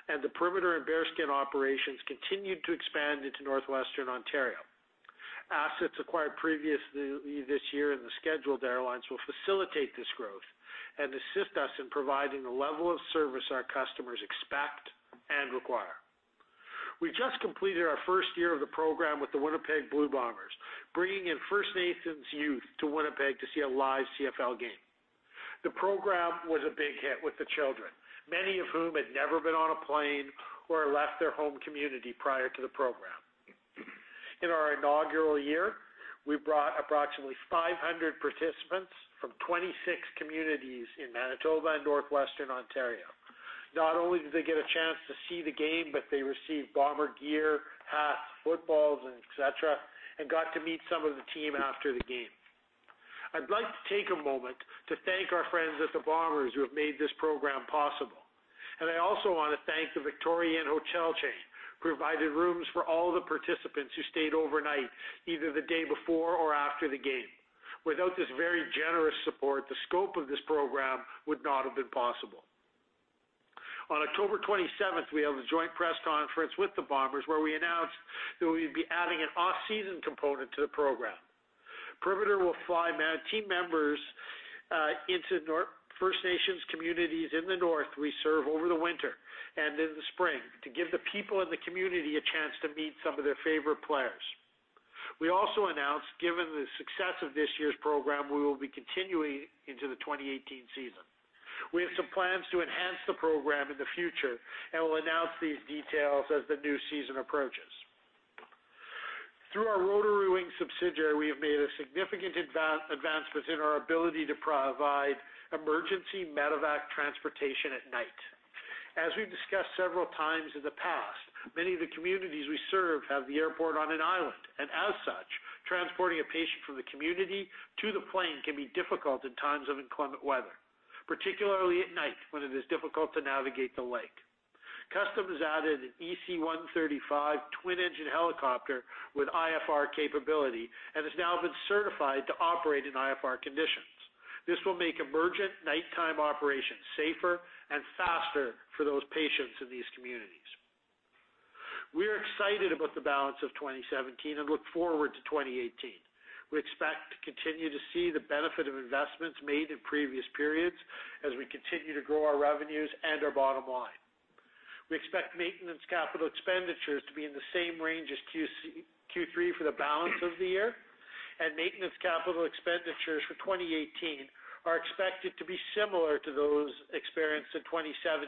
and the Perimeter and Bearskin operations continued to expand into Northwestern Ontario. Assets acquired previously this year in the scheduled airlines will facilitate this growth and assist us in providing the level of service our customers expect and require. We just completed our first year of the program with the Winnipeg Blue Bombers, bringing in First Nations youth to Winnipeg to see a live CFL game. The program was a big hit with the children, many of whom had never been on a plane or left their home community prior to the program. In our inaugural year, we brought approximately 500 participants from 26 communities in Manitoba and Northwestern Ontario. Not only did they get a chance to see the game, but they received Bomber gear, hats, footballs, et cetera, and got to meet some of the team after the game. I'd like to take a moment to thank our friends at the Bombers who have made this program possible. I also want to thank the Victoria Inn, who provided rooms for all the participants who stayed overnight, either the day before or after the game. Without this very generous support, the scope of this program would not have been possible. On October 27th, we held a joint press conference with the Bombers where we announced that we would be adding an off-season component to the program. Perimeter will fly team members into First Nations communities in the north we serve over the winter and in the spring to give the people in the community a chance to meet some of their favorite players. We also announced, given the success of this year's program, we will be continuing into the 2018 season. We have some plans to enhance the program in the future and will announce these details as the new season approaches. Through our RotorWing subsidiary, we have made a significant advancement in our ability to provide emergency Medevac transportation at night. As we've discussed several times in the past, many of the communities we serve have the airport on an island, and as such, transporting a patient from the community to the plane can be difficult in times of inclement weather, particularly at night when it is difficult to navigate the lake. Custom has added an EC135 twin engine helicopter with IFR capability and has now been certified to operate in IFR conditions. This will make emergent nighttime operations safer and faster for those patients in these communities. We are excited about the balance of 2017 and look forward to 2018. We expect to continue to see the benefit of investments made in previous periods as we continue to grow our revenues and our bottom line. We expect maintenance capital expenditures to be in the same range as Q3 for the balance of the year, and maintenance capital expenditures for 2018 are expected to be similar to those experienced in 2017.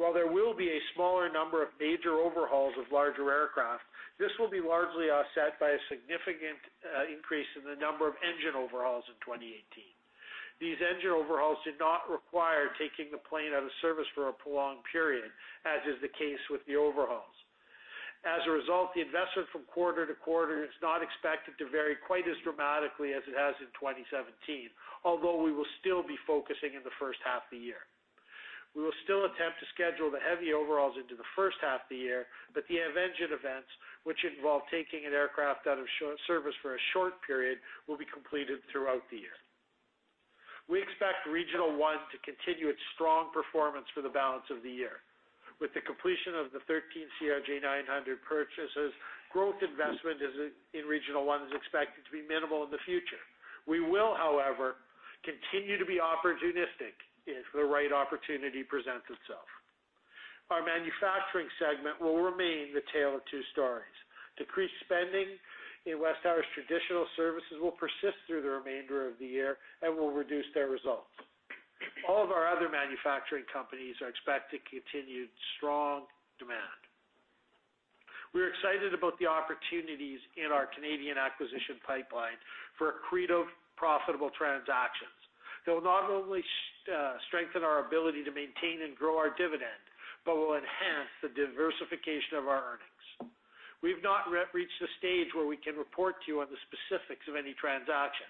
While there will be a smaller number of major overhauls of larger aircraft, this will be largely offset by a significant increase in the number of engine overhauls in 2018. These engine overhauls do not require taking the plane out of service for a prolonged period, as is the case with the overhauls. As a result, the investment from quarter to quarter is not expected to vary quite as dramatically as it has in 2017, although we will still be focusing in the first half of the year. We will still attempt to schedule the heavy overhauls into the first half of the year. The engine events, which involve taking an aircraft out of service for a short period, will be completed throughout the year. We expect Regional One to continue its strong performance for the balance of the year. With the completion of the 13 CRJ900 purchases, growth investment in Regional One is expected to be minimal in the future. We will, however, continue to be opportunistic if the right opportunity presents itself. Our manufacturing segment will remain the tale of two stories. Decreased spending in WesTower's traditional services will persist through the remainder of the year and will reduce their results. All of our other manufacturing companies are expected continued strong demand. We're excited about the opportunities in our Canadian acquisition pipeline for accretive profitable transactions. They will not only strengthen our ability to maintain and grow our dividend, but will enhance the diversification of our earnings. We've not reached the stage where we can report to you on the specifics of any transaction,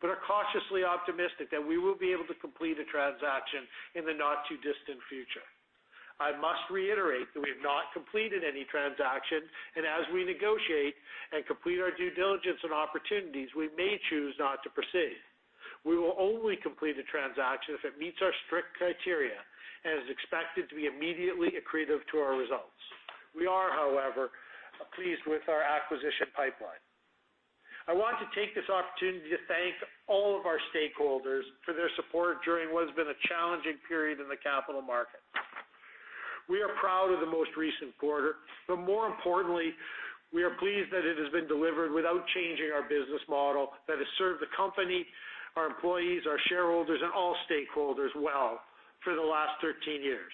but are cautiously optimistic that we will be able to complete a transaction in the not too distant future. I must reiterate that we have not completed any transaction, and as we negotiate and complete our due diligence and opportunities, we may choose not to proceed. We will only complete a transaction if it meets our strict criteria and is expected to be immediately accretive to our results. We are, however, pleased with our acquisition pipeline. I want to take this opportunity to thank all of our stakeholders for their support during what has been a challenging period in the capital markets. We are proud of the most recent quarter, but more importantly, we are pleased that it has been delivered without changing our business model that has served the company, our employees, our shareholders, and all stakeholders well for the last 13 years.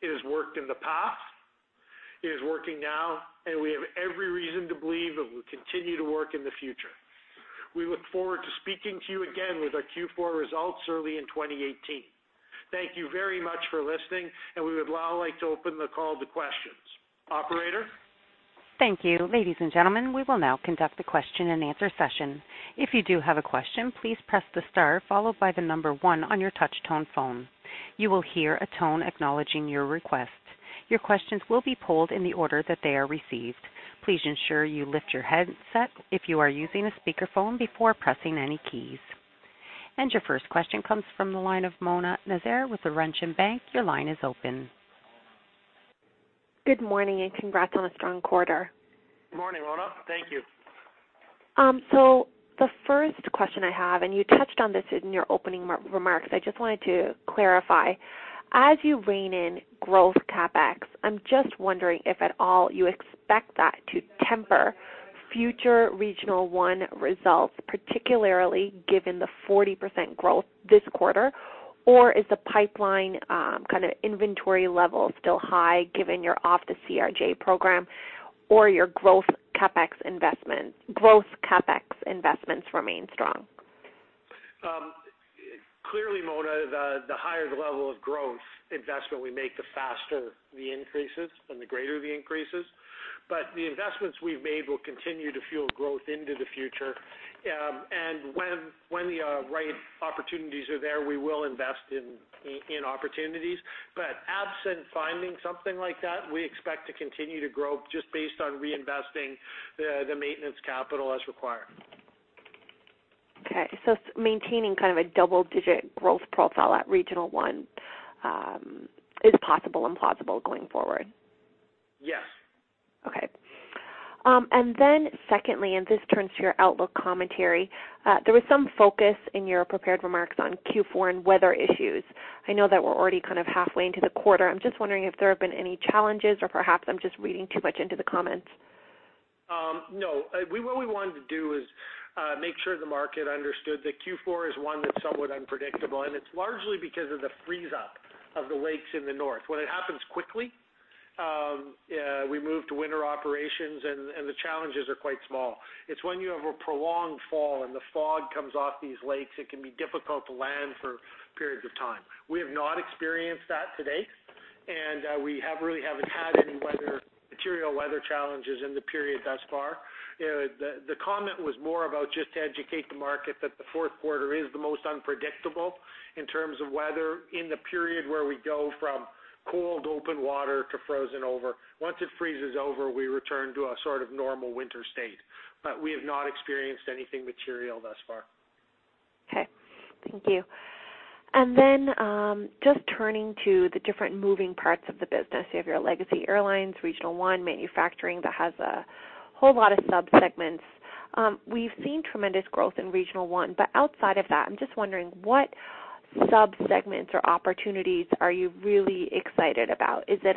It has worked in the past, it is working now, and we have every reason to believe it will continue to work in the future. We look forward to speaking to you again with our Q4 results early in 2018. Thank you very much for listening, and we would now like to open the call to questions. Operator? Thank you. Ladies and gentlemen, we will now conduct the question and answer session. If you do have a question, please press the star followed by the number 1 on your touch-tone phone. You will hear a tone acknowledging your request. Your questions will be polled in the order that they are received. Please ensure you lift your headset if you are using a speakerphone before pressing any keys. Your first question comes from the line of Mona Nazair with the Laurentian Bank. Your line is open. Good morning and congrats on a strong quarter. Good morning, Mona. Thank you. The first question I have, you touched on this in your opening remarks, I just wanted to clarify. As you rein in growth CapEx, I'm just wondering if at all you expect that to temper future Regional One results, particularly given the 40% growth this quarter? Is the pipeline inventory level still high given your off the CRJ program or your growth CapEx investments remain strong? Clearly, Mona, the higher the level of growth investment we make, the faster the increases and the greater the increases. The investments we've made will continue to fuel growth into the future. When the right opportunities are there, we will invest in opportunities. Absent finding something like that, we expect to continue to grow just based on reinvesting the maintenance capital as required. Okay, maintaining a double-digit growth profile at Regional One is possible and plausible going forward. Yes. Okay. Secondly, this turns to your outlook commentary. There was some focus in your prepared remarks on Q4 and weather issues. I know that we're already halfway into the quarter. I'm just wondering if there have been any challenges or perhaps I'm just reading too much into the comments. No. What we wanted to do is make sure the market understood that Q4 is one that's somewhat unpredictable, it's largely because of the freeze up of the lakes in the north. When it happens quickly, we move to winter operations and the challenges are quite small. It's when you have a prolonged fall and the fog comes off these lakes, it can be difficult to land for periods of time. We have not experienced that to date, and we have material weather challenges in the period thus far. The comment was more about just to educate the market that the fourth quarter is the most unpredictable in terms of weather in the period where we go from cold open water to frozen over. Once it freezes over, we return to a sort of normal winter state. We have not experienced anything material thus far. Okay. Thank you. Just turning to the different moving parts of the business. You have your Legacy Airlines, Regional One, Manufacturing that has a whole lot of sub-segments. We've seen tremendous growth in Regional One, outside of that, I'm just wondering what sub-segments or opportunities are you really excited about? Is it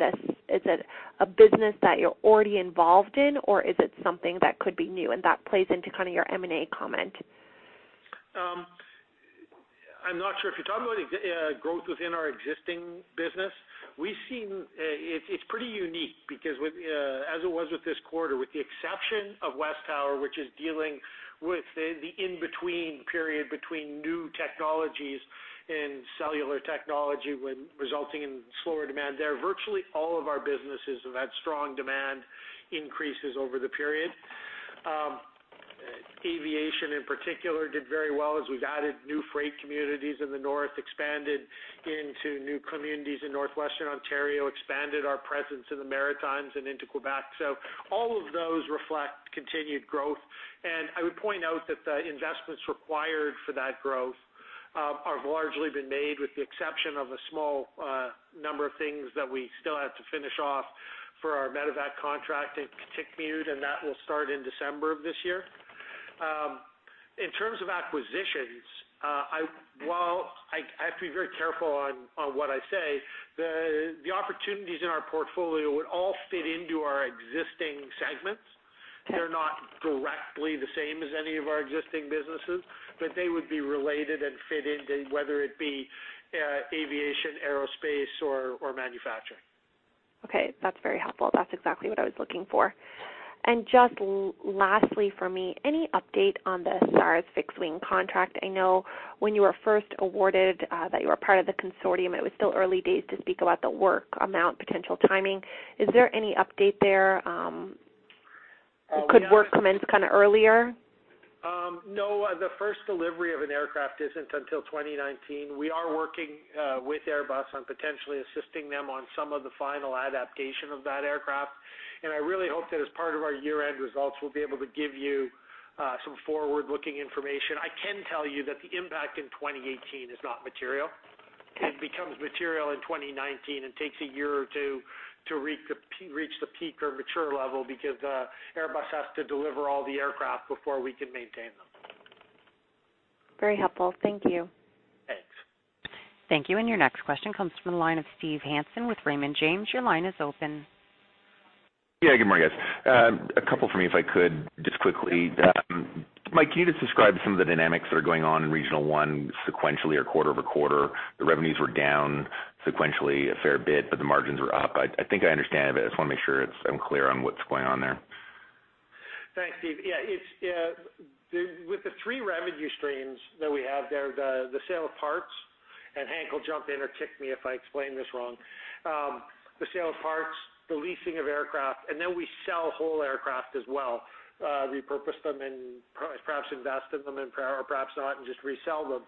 a business that you're already involved in, or is it something that could be new and that plays into your M&A comment? I'm not sure. If you're talking about growth within our existing business, it's pretty unique because as it was with this quarter, with the exception of WesTower Communications, which is dealing with the in-between period between new technologies and cellular technology, resulting in slower demand there, virtually all of our businesses have had strong demand increases over the period. Aviation, in particular, did very well as we've added new freight communities in the north, expanded into new communities in Northwestern Ontario, expanded our presence in the Maritimes and into Quebec. All of those reflect continued growth. I would point out that the investments required for that growth have largely been made, with the exception of a small number of things that we still have to finish off for our Medevac contract in Kitikmeot, and that will start in December of this year. In terms of acquisitions, while I have to be very careful on what I say, the opportunities in our portfolio would all fit into our existing segments. Okay. They're not directly the same as any of our existing businesses, but they would be related and fit into whether it be aviation, aerospace, or manufacturing. Okay. That's very helpful. That's exactly what I was looking for. Just lastly from me, any update on the STARS fixed-wing contract? I know when you were first awarded that you were part of the consortium, it was still early days to speak about the work amount, potential timing. Is there any update there? Could work come in earlier? No. The first delivery of an aircraft isn't until 2019. We are working with Airbus on potentially assisting them on some of the final adaptation of that aircraft, and I really hope that as part of our year-end results, we'll be able to give you some forward-looking information. I can tell you that the impact in 2018 is not material. It becomes material in 2019 and takes a year or two to reach the peak or mature level because Airbus has to deliver all the aircraft before we can maintain them. Very helpful. Thank you. Thanks. Thank you. Your next question comes from the line of Steve Hansen with Raymond James. Your line is open. Yeah. Good morning, guys. A couple from me, if I could, just quickly. Mike, can you just describe some of the dynamics that are going on in Regional One sequentially or quarter-over-quarter? The revenues were down sequentially a fair bit, but the margins were up. I think I understand, but I just want to make sure I'm clear on what's going on there. Thanks, Steve. Yeah. With the three revenue streams that we have there, the sale of parts, and Hank will jump in or kick me if I explain this wrong. The sale of parts, the leasing of aircraft, and then we sell whole aircraft as well, repurpose them and perhaps invest in them, or perhaps not, and just resell them.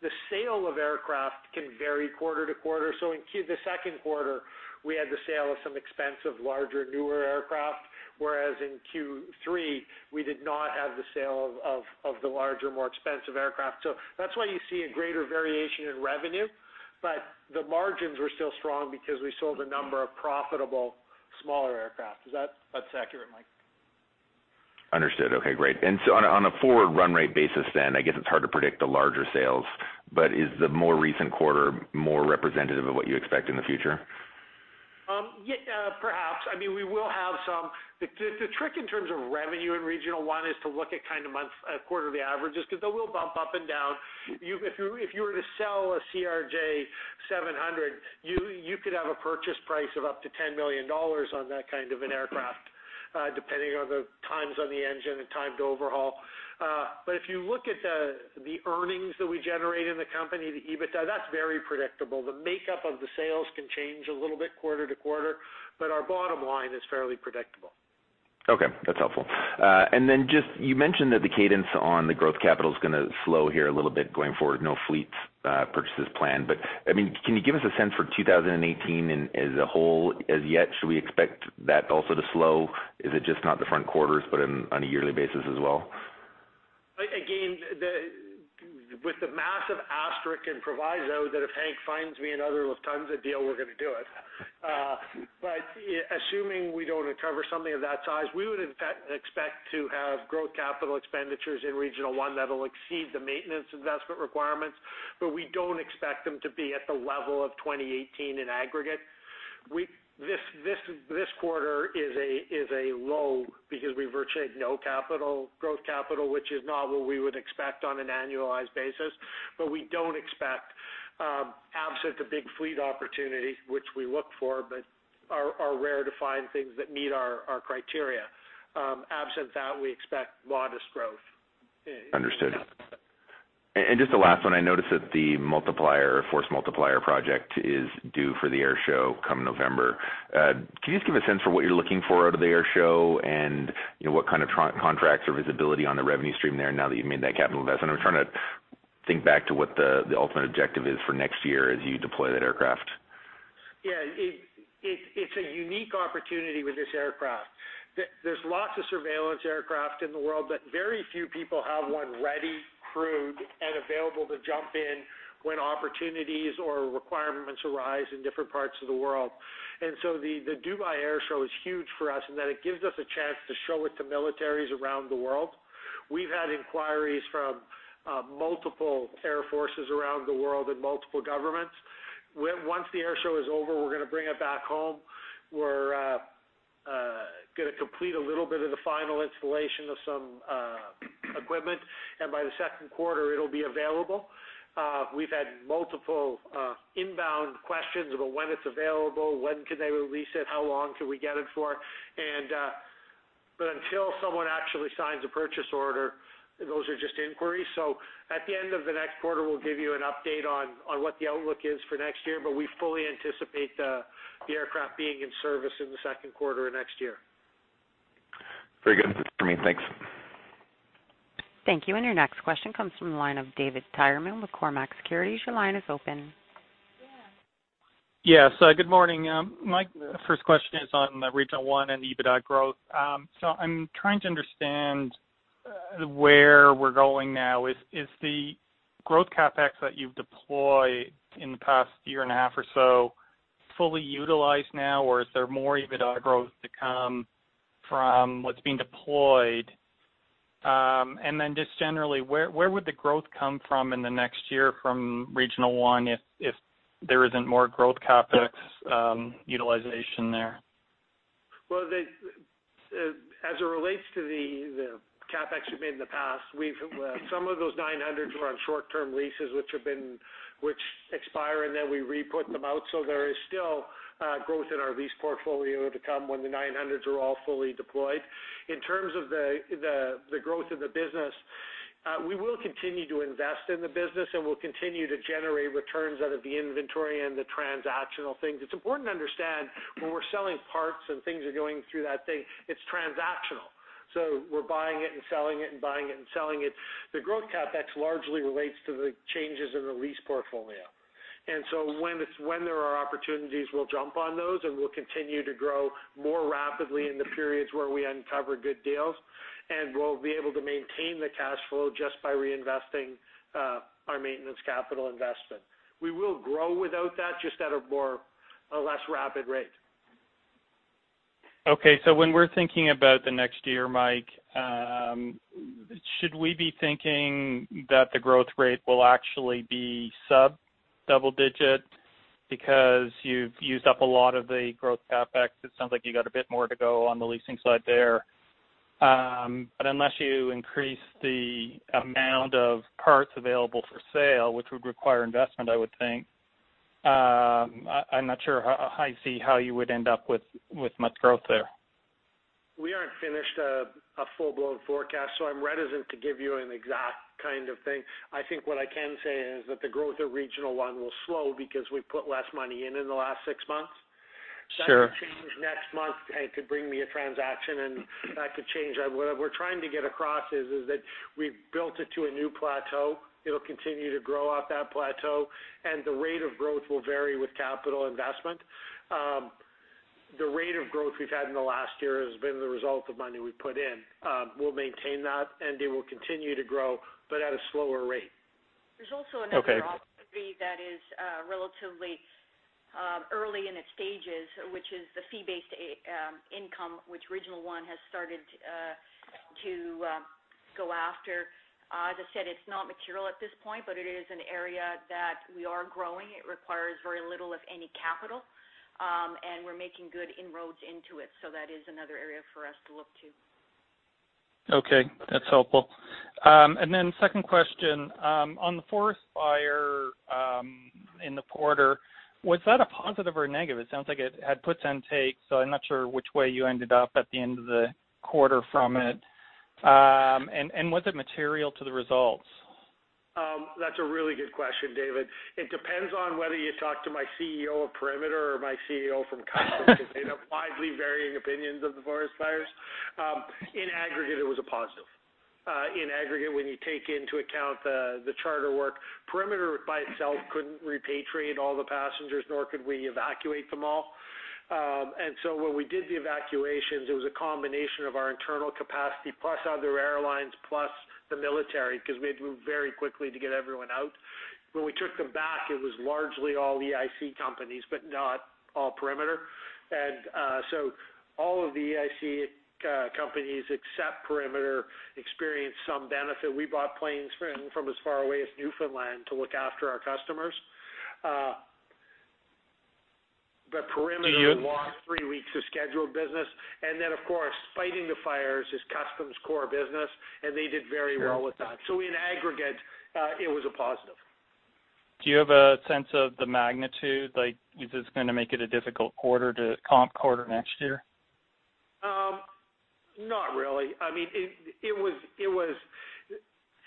The sale of aircraft can vary quarter to quarter. In Q2, the second quarter, we had the sale of some expensive, larger, newer aircraft, whereas in Q3, we did not have the sale of the larger, more expensive aircraft. That's why you see a greater variation in revenue, but the margins were still strong because we sold a number of profitable smaller aircraft. That's accurate, Mike. Understood. Okay, great. On a forward run rate basis then, I guess it's hard to predict the larger sales, but is the more recent quarter more representative of what you expect in the future? Perhaps. The trick in terms of revenue in Regional One is to look at monthly, quarterly averages because they will bump up and down. If you were to sell a CRJ 700, you could have a purchase price of up to 10 million dollars on that kind of an aircraft, depending on the times on the engine and time to overhaul. If you look at the earnings that we generate in the company, the EBITDA, that's very predictable. The makeup of the sales can change a little bit quarter to quarter, but our bottom line is fairly predictable. Okay. That's helpful. Just you mentioned that the cadence on the growth capital is going to slow here a little bit going forward. No fleet purchases planned. Can you give us a sense for 2018 as a whole as yet? Should we expect that also to slow? Is it just not the front quarters, but on a yearly basis as well? With the massive asterisk and proviso that if Hank finds me another Lufthansa deal, we're going to do it. Assuming we don't recover something of that size, we would expect to have growth capital expenditures in Regional One that'll exceed the maintenance investment requirements, but we don't expect them to be at the level of 2018 in aggregate. This quarter is a low because we virtually had no growth capital, which is not what we would expect on an annualized basis. We don't expect, absent a big fleet opportunity, which we look for, but are rare to find things that meet our criteria. Absent that, we expect modest growth. Understood. Just the last one, I noticed that the Force Multiplier project is due for the Airshow come November. Can you just give a sense for what you're looking for out of the Airshow and what kind of contracts or visibility on the revenue stream there now that you've made that capital investment? I'm trying to think back to what the ultimate objective is for next year as you deploy that aircraft. It's a unique opportunity with this aircraft. There's lots of surveillance aircraft in the world, but very few people have one ready, crewed, and available to jump in when opportunities or requirements arise in different parts of the world. The Dubai Airshow is huge for us in that it gives us a chance to show it to militaries around the world. We've had inquiries from multiple air forces around the world and multiple governments. Once the Airshow is over, we're going to bring it back home. We're going to complete a little bit of the final installation of some equipment, and by the second quarter, it'll be available. We've had multiple inbound questions about when it's available, when can they release it, how long can we get it for? Until someone actually signs a purchase order, those are just inquiries. At the end of the next quarter, we'll give you an update on what the outlook is for next year, we fully anticipate the aircraft being in service in the second quarter of next year. Very good for me. Thanks. Thank you. Your next question comes from the line of David Tyerman with Cormark Securities. Your line is open. Yeah. Good morning. My first question is on Regional One and EBITDA growth. I am trying to understand where we are going now. Is the growth CapEx that you have deployed in the past year and a half or so fully utilized now, or is there more EBITDA growth to come from what is being deployed? Then just generally, where would the growth come from in the next year from Regional One if there is not more growth CapEx utilization there? Well, as it relates to the CapEx we made in the past, some of those 900s were on short-term leases which expire, and then we re-put them out. There is still growth in our lease portfolio to come when the 900s are all fully deployed. In terms of the growth of the business, we will continue to invest in the business, and we will continue to generate returns out of the inventory and the transactional things. It is important to understand when we are selling parts and things are going through that thing, it is transactional. We are buying it and selling it, and buying it and selling it. The growth CapEx largely relates to the changes in the lease portfolio. When there are opportunities, we'll jump on those, and we'll continue to grow more rapidly in the periods where we uncover good deals, and we'll be able to maintain the cash flow just by reinvesting our maintenance capital investment. We will grow without that, just at a less rapid rate. Okay, when we're thinking about the next year, Mike, should we be thinking that the growth rate will actually be sub double-digit because you've used up a lot of the growth CapEx? It sounds like you got a bit more to go on the leasing side there. Unless you increase the amount of parts available for sale, which would require investment, I would think. I'm not sure I see how you would end up with much growth there. We aren't finished a full-blown forecast, I'm reticent to give you an exact kind of thing. I think what I can say is that the growth of Regional One will slow because we put less money in in the last six months. Sure. That could change next month. It could bring me a transaction and that could change. What we're trying to get across is that we've built it to a new plateau. It'll continue to grow off that plateau, and the rate of growth will vary with capital investment. The rate of growth we've had in the last year has been the result of money we put in. We'll maintain that, and it will continue to grow, but at a slower rate. There's also another opportunity that is relatively early in its stages, which is the fee-based income which Regional One has started to go after. As I said, it's not material at this point, but it is an area that we are growing. It requires very little, if any, capital, and we're making good inroads into it. That is another area for us to look to. Okay, that's helpful. Second question, on the forest fire in the quarter, was that a positive or a negative? It sounds like it had puts and takes, so I'm not sure which way you ended up at the end of the quarter from it. Was it material to the results? That's a really good question, David. It depends on whether you talk to my CEO of Perimeter or my CEO from Customs because they have widely varying opinions of the forest fires. In aggregate, it was a positive. In aggregate, when you take into account the charter work, Perimeter by itself couldn't repatriate all the passengers, nor could we evacuate them all. When we did the evacuations, it was a combination of our internal capacity plus other airlines, plus the military, because we had to move very quickly to get everyone out. When we took them back, it was largely all EIC companies, but not all Perimeter. All of the EIC companies except Perimeter experienced some benefit. We bought planes from as far away as Newfoundland to look after our customers. Perimeter lost three weeks of scheduled business. Of course, fighting the fires is Customs core business, and they did very well with that. In aggregate, it was a positive. Do you have a sense of the magnitude? Is this going to make it a difficult quarter to comp quarter next year? Not really.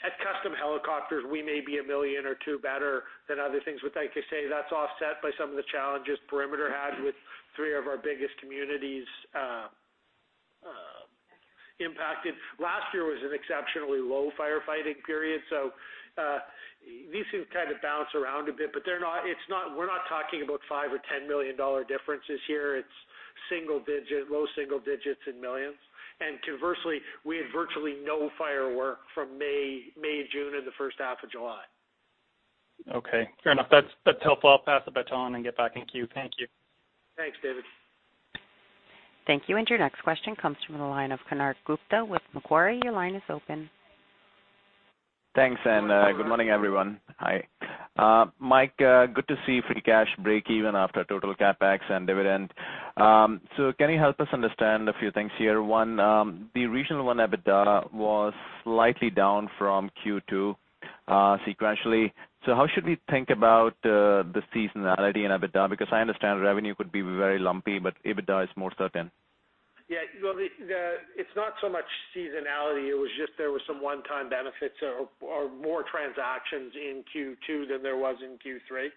At Custom Helicopters, we may be a million or two better than other things, but like I say, that's offset by some of the challenges Perimeter had with three of our biggest communities impacted. Last year was an exceptionally low firefighting period. These things bounce around a bit, but we're not talking about 5 million or 10 million dollar differences here. It's low single digits in millions. Conversely, we had virtually no fire work from May, June, and the first half of July. Okay. Fair enough. That's helpful. I'll pass the baton and get back in queue. Thank you. Thanks, David. Thank you, your next question comes from the line of Konark Gupta with Macquarie. Your line is open. Thanks, good morning, everyone. Hi. Mike, good to see free cash break even after total CapEx and dividend. Can you help us understand a few things here? One, the Regional One EBITDA was slightly down from Q2 sequentially. How should we think about the seasonality in EBITDA? Because I understand revenue could be very lumpy, but EBITDA is more certain. Yeah. It's not so much seasonality. It was just there were some one-time benefits or more transactions in Q2 than there was in Q3.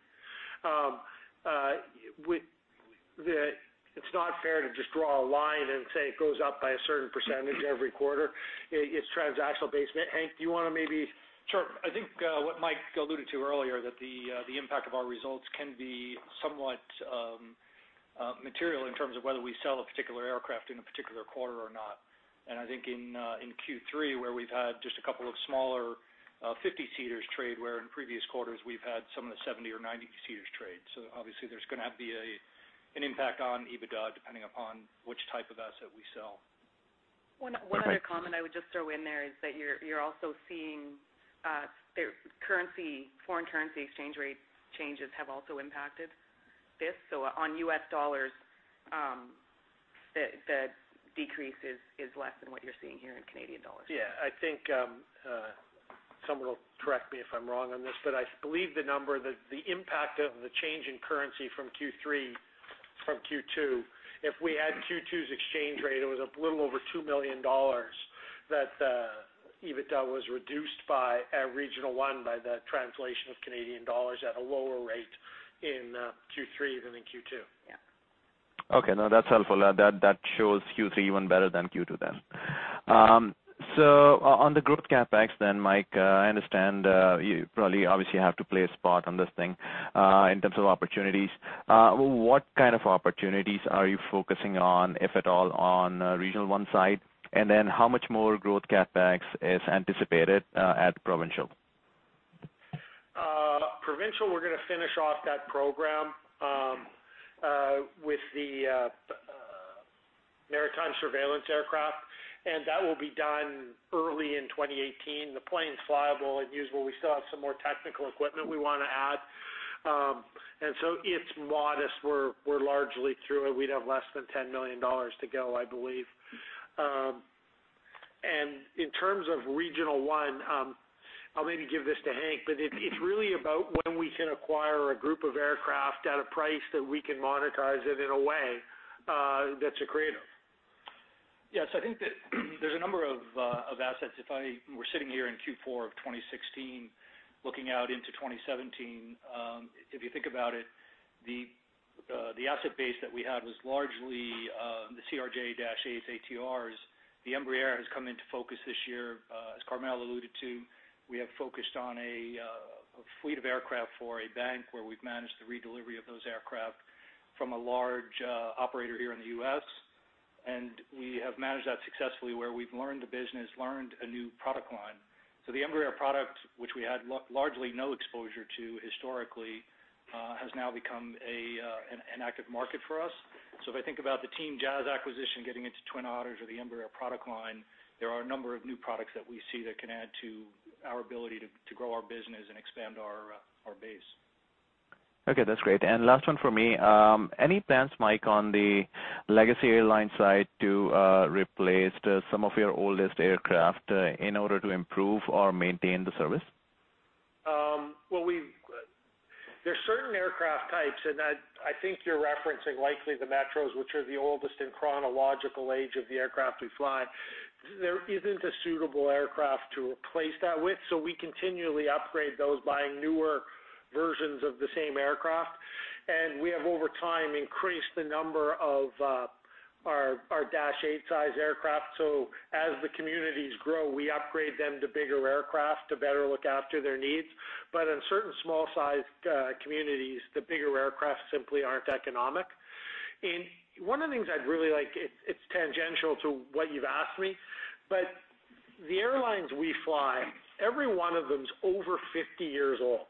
It's not fair to just draw a line and say it goes up by a certain percentage every quarter. It's transactional based. Hank, do you want to maybe? Sure. I think what Mike alluded to earlier, that the impact of our results can be somewhat material in terms of whether we sell a particular aircraft in a particular quarter or not. I think in Q3, where we've had just a couple of smaller 50-seaters trade, where in previous quarters we've had some of the 70 or 90-seaters trade. Obviously there's going to be an impact on EBITDA depending upon which type of asset we sell. One other comment I would just throw in there is that you're also seeing foreign currency exchange rate changes have also impacted this. On U.S. dollars, the decrease is less than what you're seeing here in Canadian dollars. I think someone will correct me if I'm wrong on this, but I believe the impact of the change in currency from Q3 from Q2, if we had Q2's exchange rate, it was a little over 2 million dollars that EBITDA was reduced by at Regional One by the translation of Canadian dollars at a lower rate in Q3 than in Q2. Yeah. That's helpful. That shows Q3 even better than Q2 then. On the growth CapEx then, Mike, I understand you probably obviously have to play a spot on this thing in terms of opportunities. What kind of opportunities are you focusing on, if at all, on Regional One side? How much more growth CapEx is anticipated at Provincial? Provincial, we're going to finish off that program with the maritime surveillance aircraft, and that will be done early in 2018. The plane's flyable and usable. We still have some more technical equipment we want to add. It's modest. We're largely through it. We'd have less than 10 million dollars to go, I believe. In terms of Regional One, I'll maybe give this to Hank, but it's really about when we can acquire a group of aircraft at a price that we can monetize it in a way that's accretive. Yes, I think that there's a number of assets. If we're sitting here in Q4 of 2016, looking out into 2017, if you think about it, the asset base that we had was largely the CRJ ATRs. The Embraer has come into focus this year. As Carmele alluded to, we have focused on a fleet of aircraft for a bank where we've managed the redelivery of those aircraft from a large operator here in the U.S., and we have managed that successfully where we've learned a business, learned a new product line. The Embraer product, which we had largely no exposure to historically has now become an active market for us. If I think about the Team JAS acquisition getting into Twin Otter or the Embraer product line, there are a number of new products that we see that can add to our ability to grow our business and expand our base. Okay, that's great. Last one for me. Any plans, Mike, on the Legacy Airlines side to replace some of your oldest aircraft in order to improve or maintain the service? There are certain aircraft types, and I think you're referencing likely the Metroliner, which are the oldest in chronological age of the aircraft we fly. There isn't a suitable aircraft to replace that with. We continually upgrade those, buying newer versions of the same aircraft. We have, over time, increased the number of our Dash 8 size aircraft. As the communities grow, we upgrade them to bigger aircraft to better look after their needs. In certain small size communities, the bigger aircraft simply aren't economic. One of the things I'd really like, it's tangential to what you've asked me, but the airlines we fly, every one of them's over 50 years old.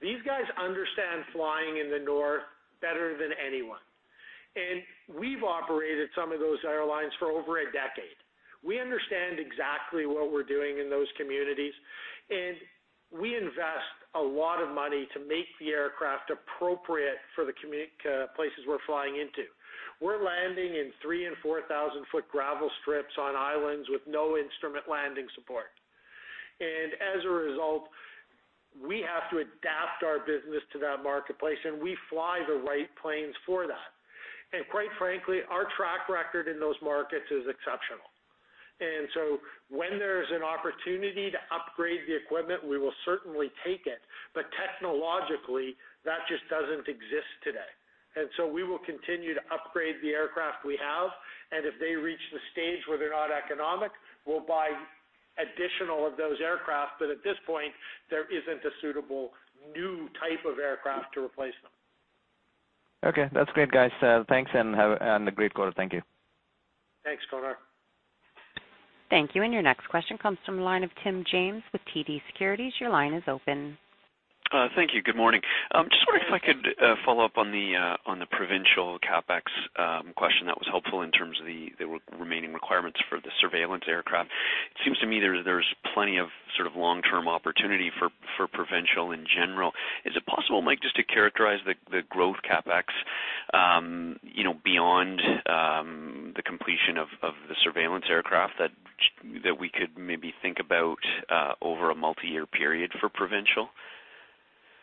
These guys understand flying in the North better than anyone, and we've operated some of those airlines for over a decade. We understand exactly what we're doing in those communities. We invest a lot of money to make the aircraft appropriate for the places we're flying into. We're landing in 3,000 and 4,000-foot gravel strips on islands with no instrument landing support. As a result, we have to adapt our business to that marketplace, and we fly the right planes for that. Quite frankly, our track record in those markets is exceptional. So when there's an opportunity to upgrade the equipment, we will certainly take it. Technologically, that just doesn't exist today. So we will continue to upgrade the aircraft we have, and if they reach the stage where they're not economic, we'll buy additional of those aircraft. At this point, there isn't a suitable new type of aircraft to replace them. Okay. That's great, guys. Thanks, and have a great quarter. Thank you. Thanks, Konark. Thank you. Your next question comes from the line of Tim James with TD Securities. Your line is open. Thank you. Good morning. Just wondering if I could follow up on the Provincial CapEx question that was helpful in terms of the remaining requirements for the surveillance aircraft. It seems to me there's plenty of long-term opportunity for Provincial in general. Is it possible, Mike, just to characterize the growth CapEx beyond the completion of the surveillance aircraft that we could maybe think about over a multi-year period for Provincial?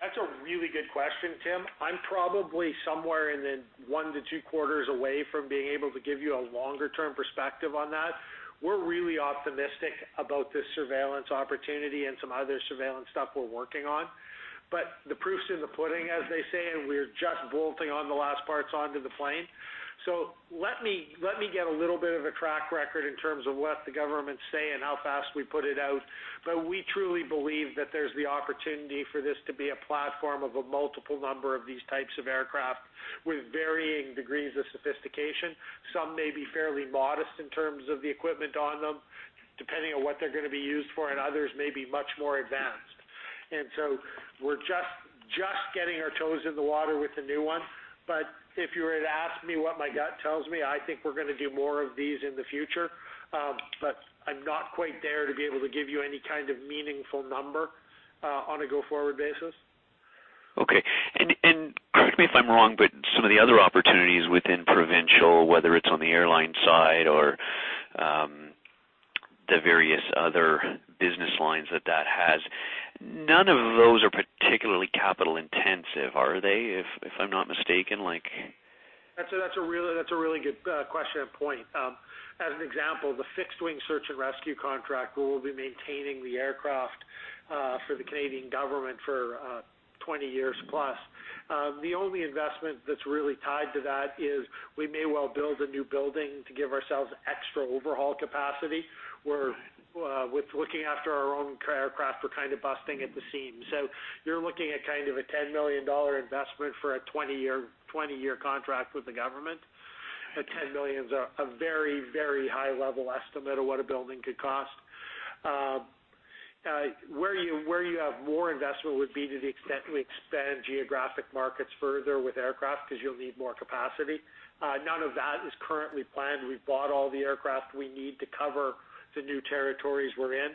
That's a really good question, Tim. I'm probably somewhere in the one to two quarters away from being able to give you a longer-term perspective on that. We're really optimistic about this surveillance opportunity and some other surveillance stuff we're working on, but the proof's in the pudding, as they say, and we're just bolting on the last parts onto the plane. Let me get a little bit of a track record in terms of what the government's saying, how fast we put it out, but we truly believe that there's the opportunity for this to be a platform of a multiple number of these types of aircraft with varying degrees of sophistication. Some may be fairly modest in terms of the equipment on them, depending on what they're going to be used for, and others may be much more advanced. We're just getting our toes in the water with the new one. If you were to ask me what my gut tells me, I think we're going to do more of these in the future. I'm not quite there to be able to give you any kind of meaningful number on a go-forward basis. Okay. Correct me if I'm wrong, but some of the other opportunities within Provincial, whether it's on the airline side or the various other business lines that that has, none of those are particularly capital intensive, are they? If I'm not mistaken. That's a really good question and point. As an example, the fixed wing search and rescue contract, we will be maintaining the aircraft for the Canadian government for 20+ years. The only investment that's really tied to that is we may well build a new building to give ourselves extra overhaul capacity. With looking after our own aircraft, we're kind of busting at the seams. You're looking at a 10 million dollar investment for a 20-year contract with the government. A 10 million is a very high level estimate of what a building could cost. Where you have more investment would be to the extent we expand geographic markets further with aircraft because you'll need more capacity. None of that is currently planned. We've bought all the aircraft we need to cover the new territories we're in.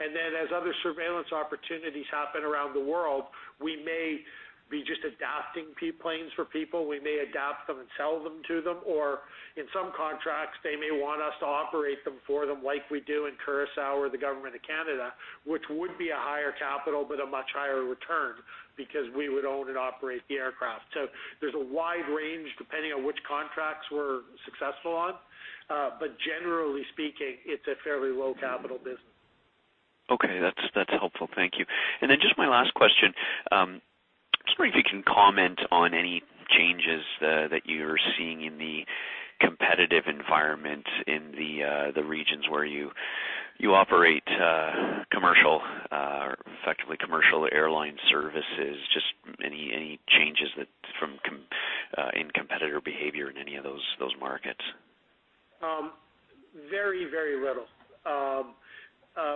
As other surveillance opportunities happen around the world, we may be just adapting planes for people. We may adapt them and sell them to them, or in some contracts, they may want us to operate them for them as we do in Curaçao or the government of Canada, which would be a higher capital, but a much higher return because we would own and operate the aircraft. There's a wide range depending on which contracts we're successful on. Generally speaking, it's a fairly low capital business. Okay. That's helpful. Thank you. Just my last question, just wonder if you can comment on any changes that you're seeing in the competitive environment in the regions where you operate commercial or effectively commercial airline services. Just any changes in competitor behavior in any of those markets? Very little.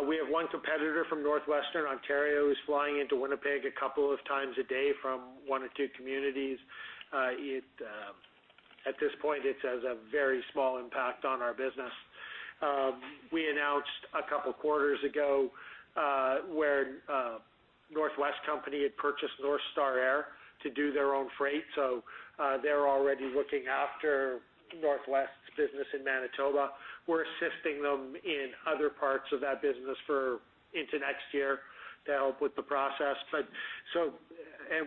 We have one competitor from Northwestern Ontario who's flying into Winnipeg a couple of times a day from one or two communities. At this point, it has a very small impact on our business. We announced a couple of quarters ago where The North West Company had purchased North Star Air to do their own freight, they're already looking after The North West Company's business in Manitoba. We're assisting them in other parts of that business into next year to help with the process.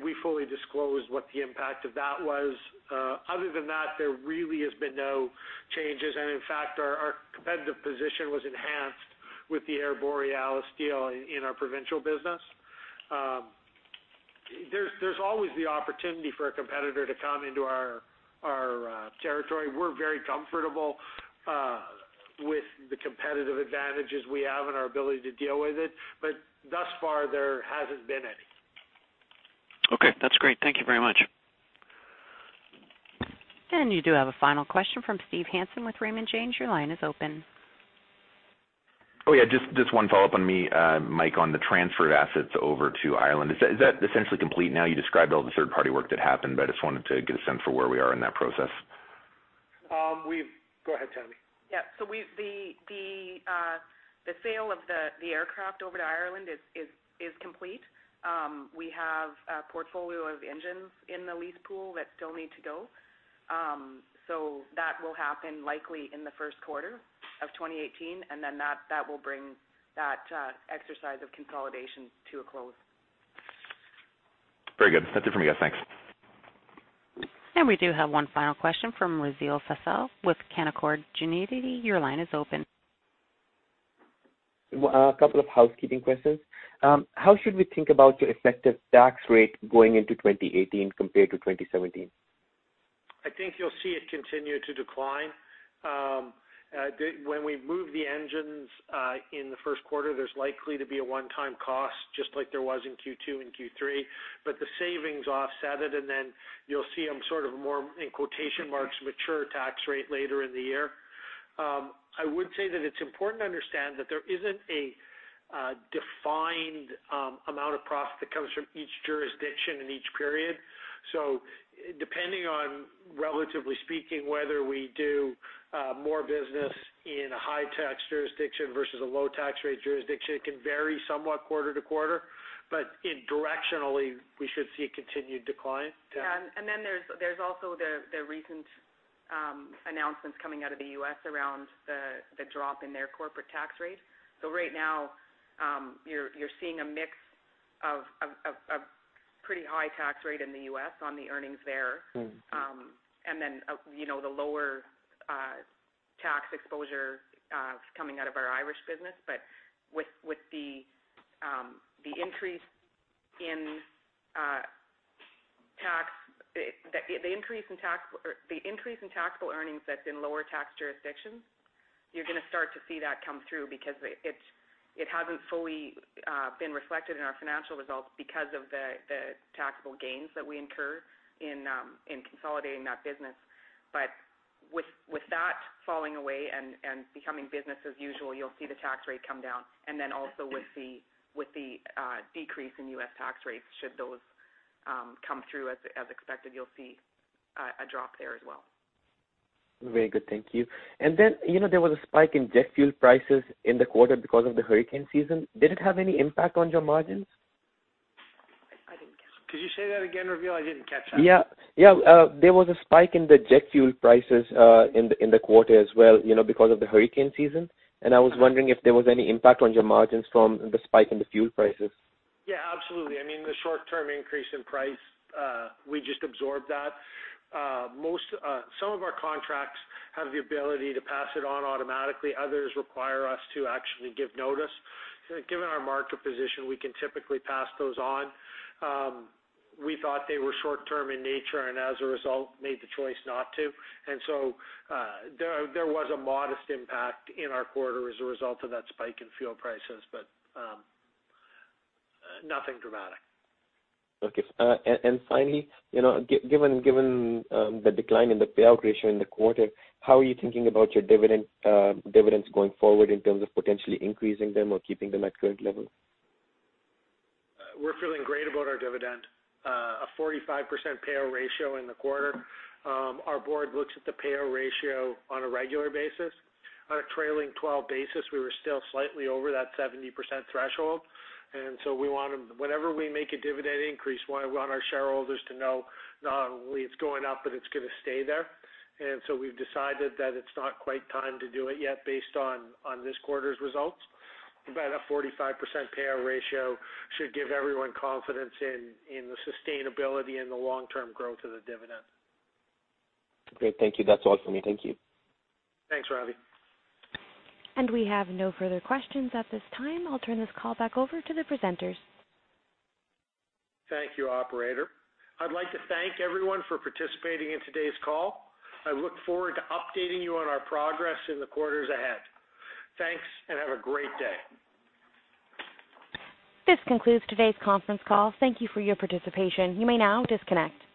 We fully disclosed what the impact of that was. Other than that, there really has been no changes, in fact, our competitive position was enhanced with the Air Borealis deal in our provincial business. There's always the opportunity for a competitor to come into our territory. We're very comfortable with the competitive advantages we have and our ability to deal with it, thus far, there hasn't been any. Okay. That's great. Thank you very much. You do have a final question from Steve Hansen with Raymond James. Your line is open. Oh, yeah. Just one follow-up on me, Mike, on the transfer of assets over to Ireland. Is that essentially complete now? You described all the third-party work that happened, I just wanted to get a sense for where we are in that process. Go ahead, Tammy. Yeah. The sale of the aircraft over to Ireland is complete. We have a portfolio of engines in the lease pool that still need to go. That will happen likely in the first quarter of 2018, and then that will bring that exercise of consolidation to a close. Very good. That's it from me, guys. Thanks. We do have one final question from Razi Hasan with Canaccord Genuity. Your line is open. A couple of housekeeping questions. How should we think about your effective tax rate going into 2018 compared to 2017? I think you'll see it continue to decline. When we move the engines in the first quarter, there's likely to be a one-time cost, just like there was in Q2 and Q3. The savings offset it, and then you'll see them sort of more, in quotation marks, mature tax rate later in the year. I would say that it's important to understand that there isn't a defined amount of profit that comes from each jurisdiction in each period. Depending on, relatively speaking, whether we do more business in a high tax jurisdiction versus a low tax rate jurisdiction, it can vary somewhat quarter-to-quarter, but directionally, we should see a continued decline. And then there's also the recent announcements coming out of the U.S. around the drop in their corporate tax rate. Right now, you're seeing a mix of a pretty high tax rate in the U.S. on the earnings there. The lower tax exposure coming out of our Irish business. With the increase in taxable earnings that's in lower tax jurisdictions, you're going to start to see that come through because it hasn't fully been reflected in our financial results because of the taxable gains that we incur in consolidating that business. With that falling away and becoming business as usual, you'll see the tax rate come down. Also with the decrease in U.S. tax rates, should those come through as expected, you'll see a drop there as well. Very good, thank you. Then, there was a spike in jet fuel prices in the quarter because of the hurricane season. Did it have any impact on your margins? I didn't catch that. Could you say that again, Razi? I didn't catch that. Yeah. There was a spike in the jet fuel prices in the quarter as well because of the hurricane season. I was wondering if there was any impact on your margins from the spike in the fuel prices. Yeah, absolutely. I mean, the short-term increase in price, we just absorbed that. Some of our contracts have the ability to pass it on automatically. Others require us to actually give notice. Given our market position, we can typically pass those on. We thought they were short-term in nature, and as a result, made the choice not to. There was a modest impact in our quarter as a result of that spike in fuel prices, but nothing dramatic. Okay. Finally, given the decline in the payout ratio in the quarter, how are you thinking about your dividends going forward in terms of potentially increasing them or keeping them at current level? We're feeling great about our dividend. A 45% payout ratio in the quarter. Our board looks at the payout ratio on a regular basis. On a trailing 12 basis, we were still slightly over that 70% threshold. Whenever we make a dividend increase, we want our shareholders to know not only it's going up, but it's going to stay there. We've decided that it's not quite time to do it yet based on this quarter's results. A 45% payout ratio should give everyone confidence in the sustainability and the long-term growth of the dividend. Great. Thank you. That's all from me. Thank you. Thanks, Razi. We have no further questions at this time. I'll turn this call back over to the presenters. Thank you, operator. I'd like to thank everyone for participating in today's call. I look forward to updating you on our progress in the quarters ahead. Thanks, and have a great day. This concludes today's conference call. Thank you for your participation. You may now disconnect.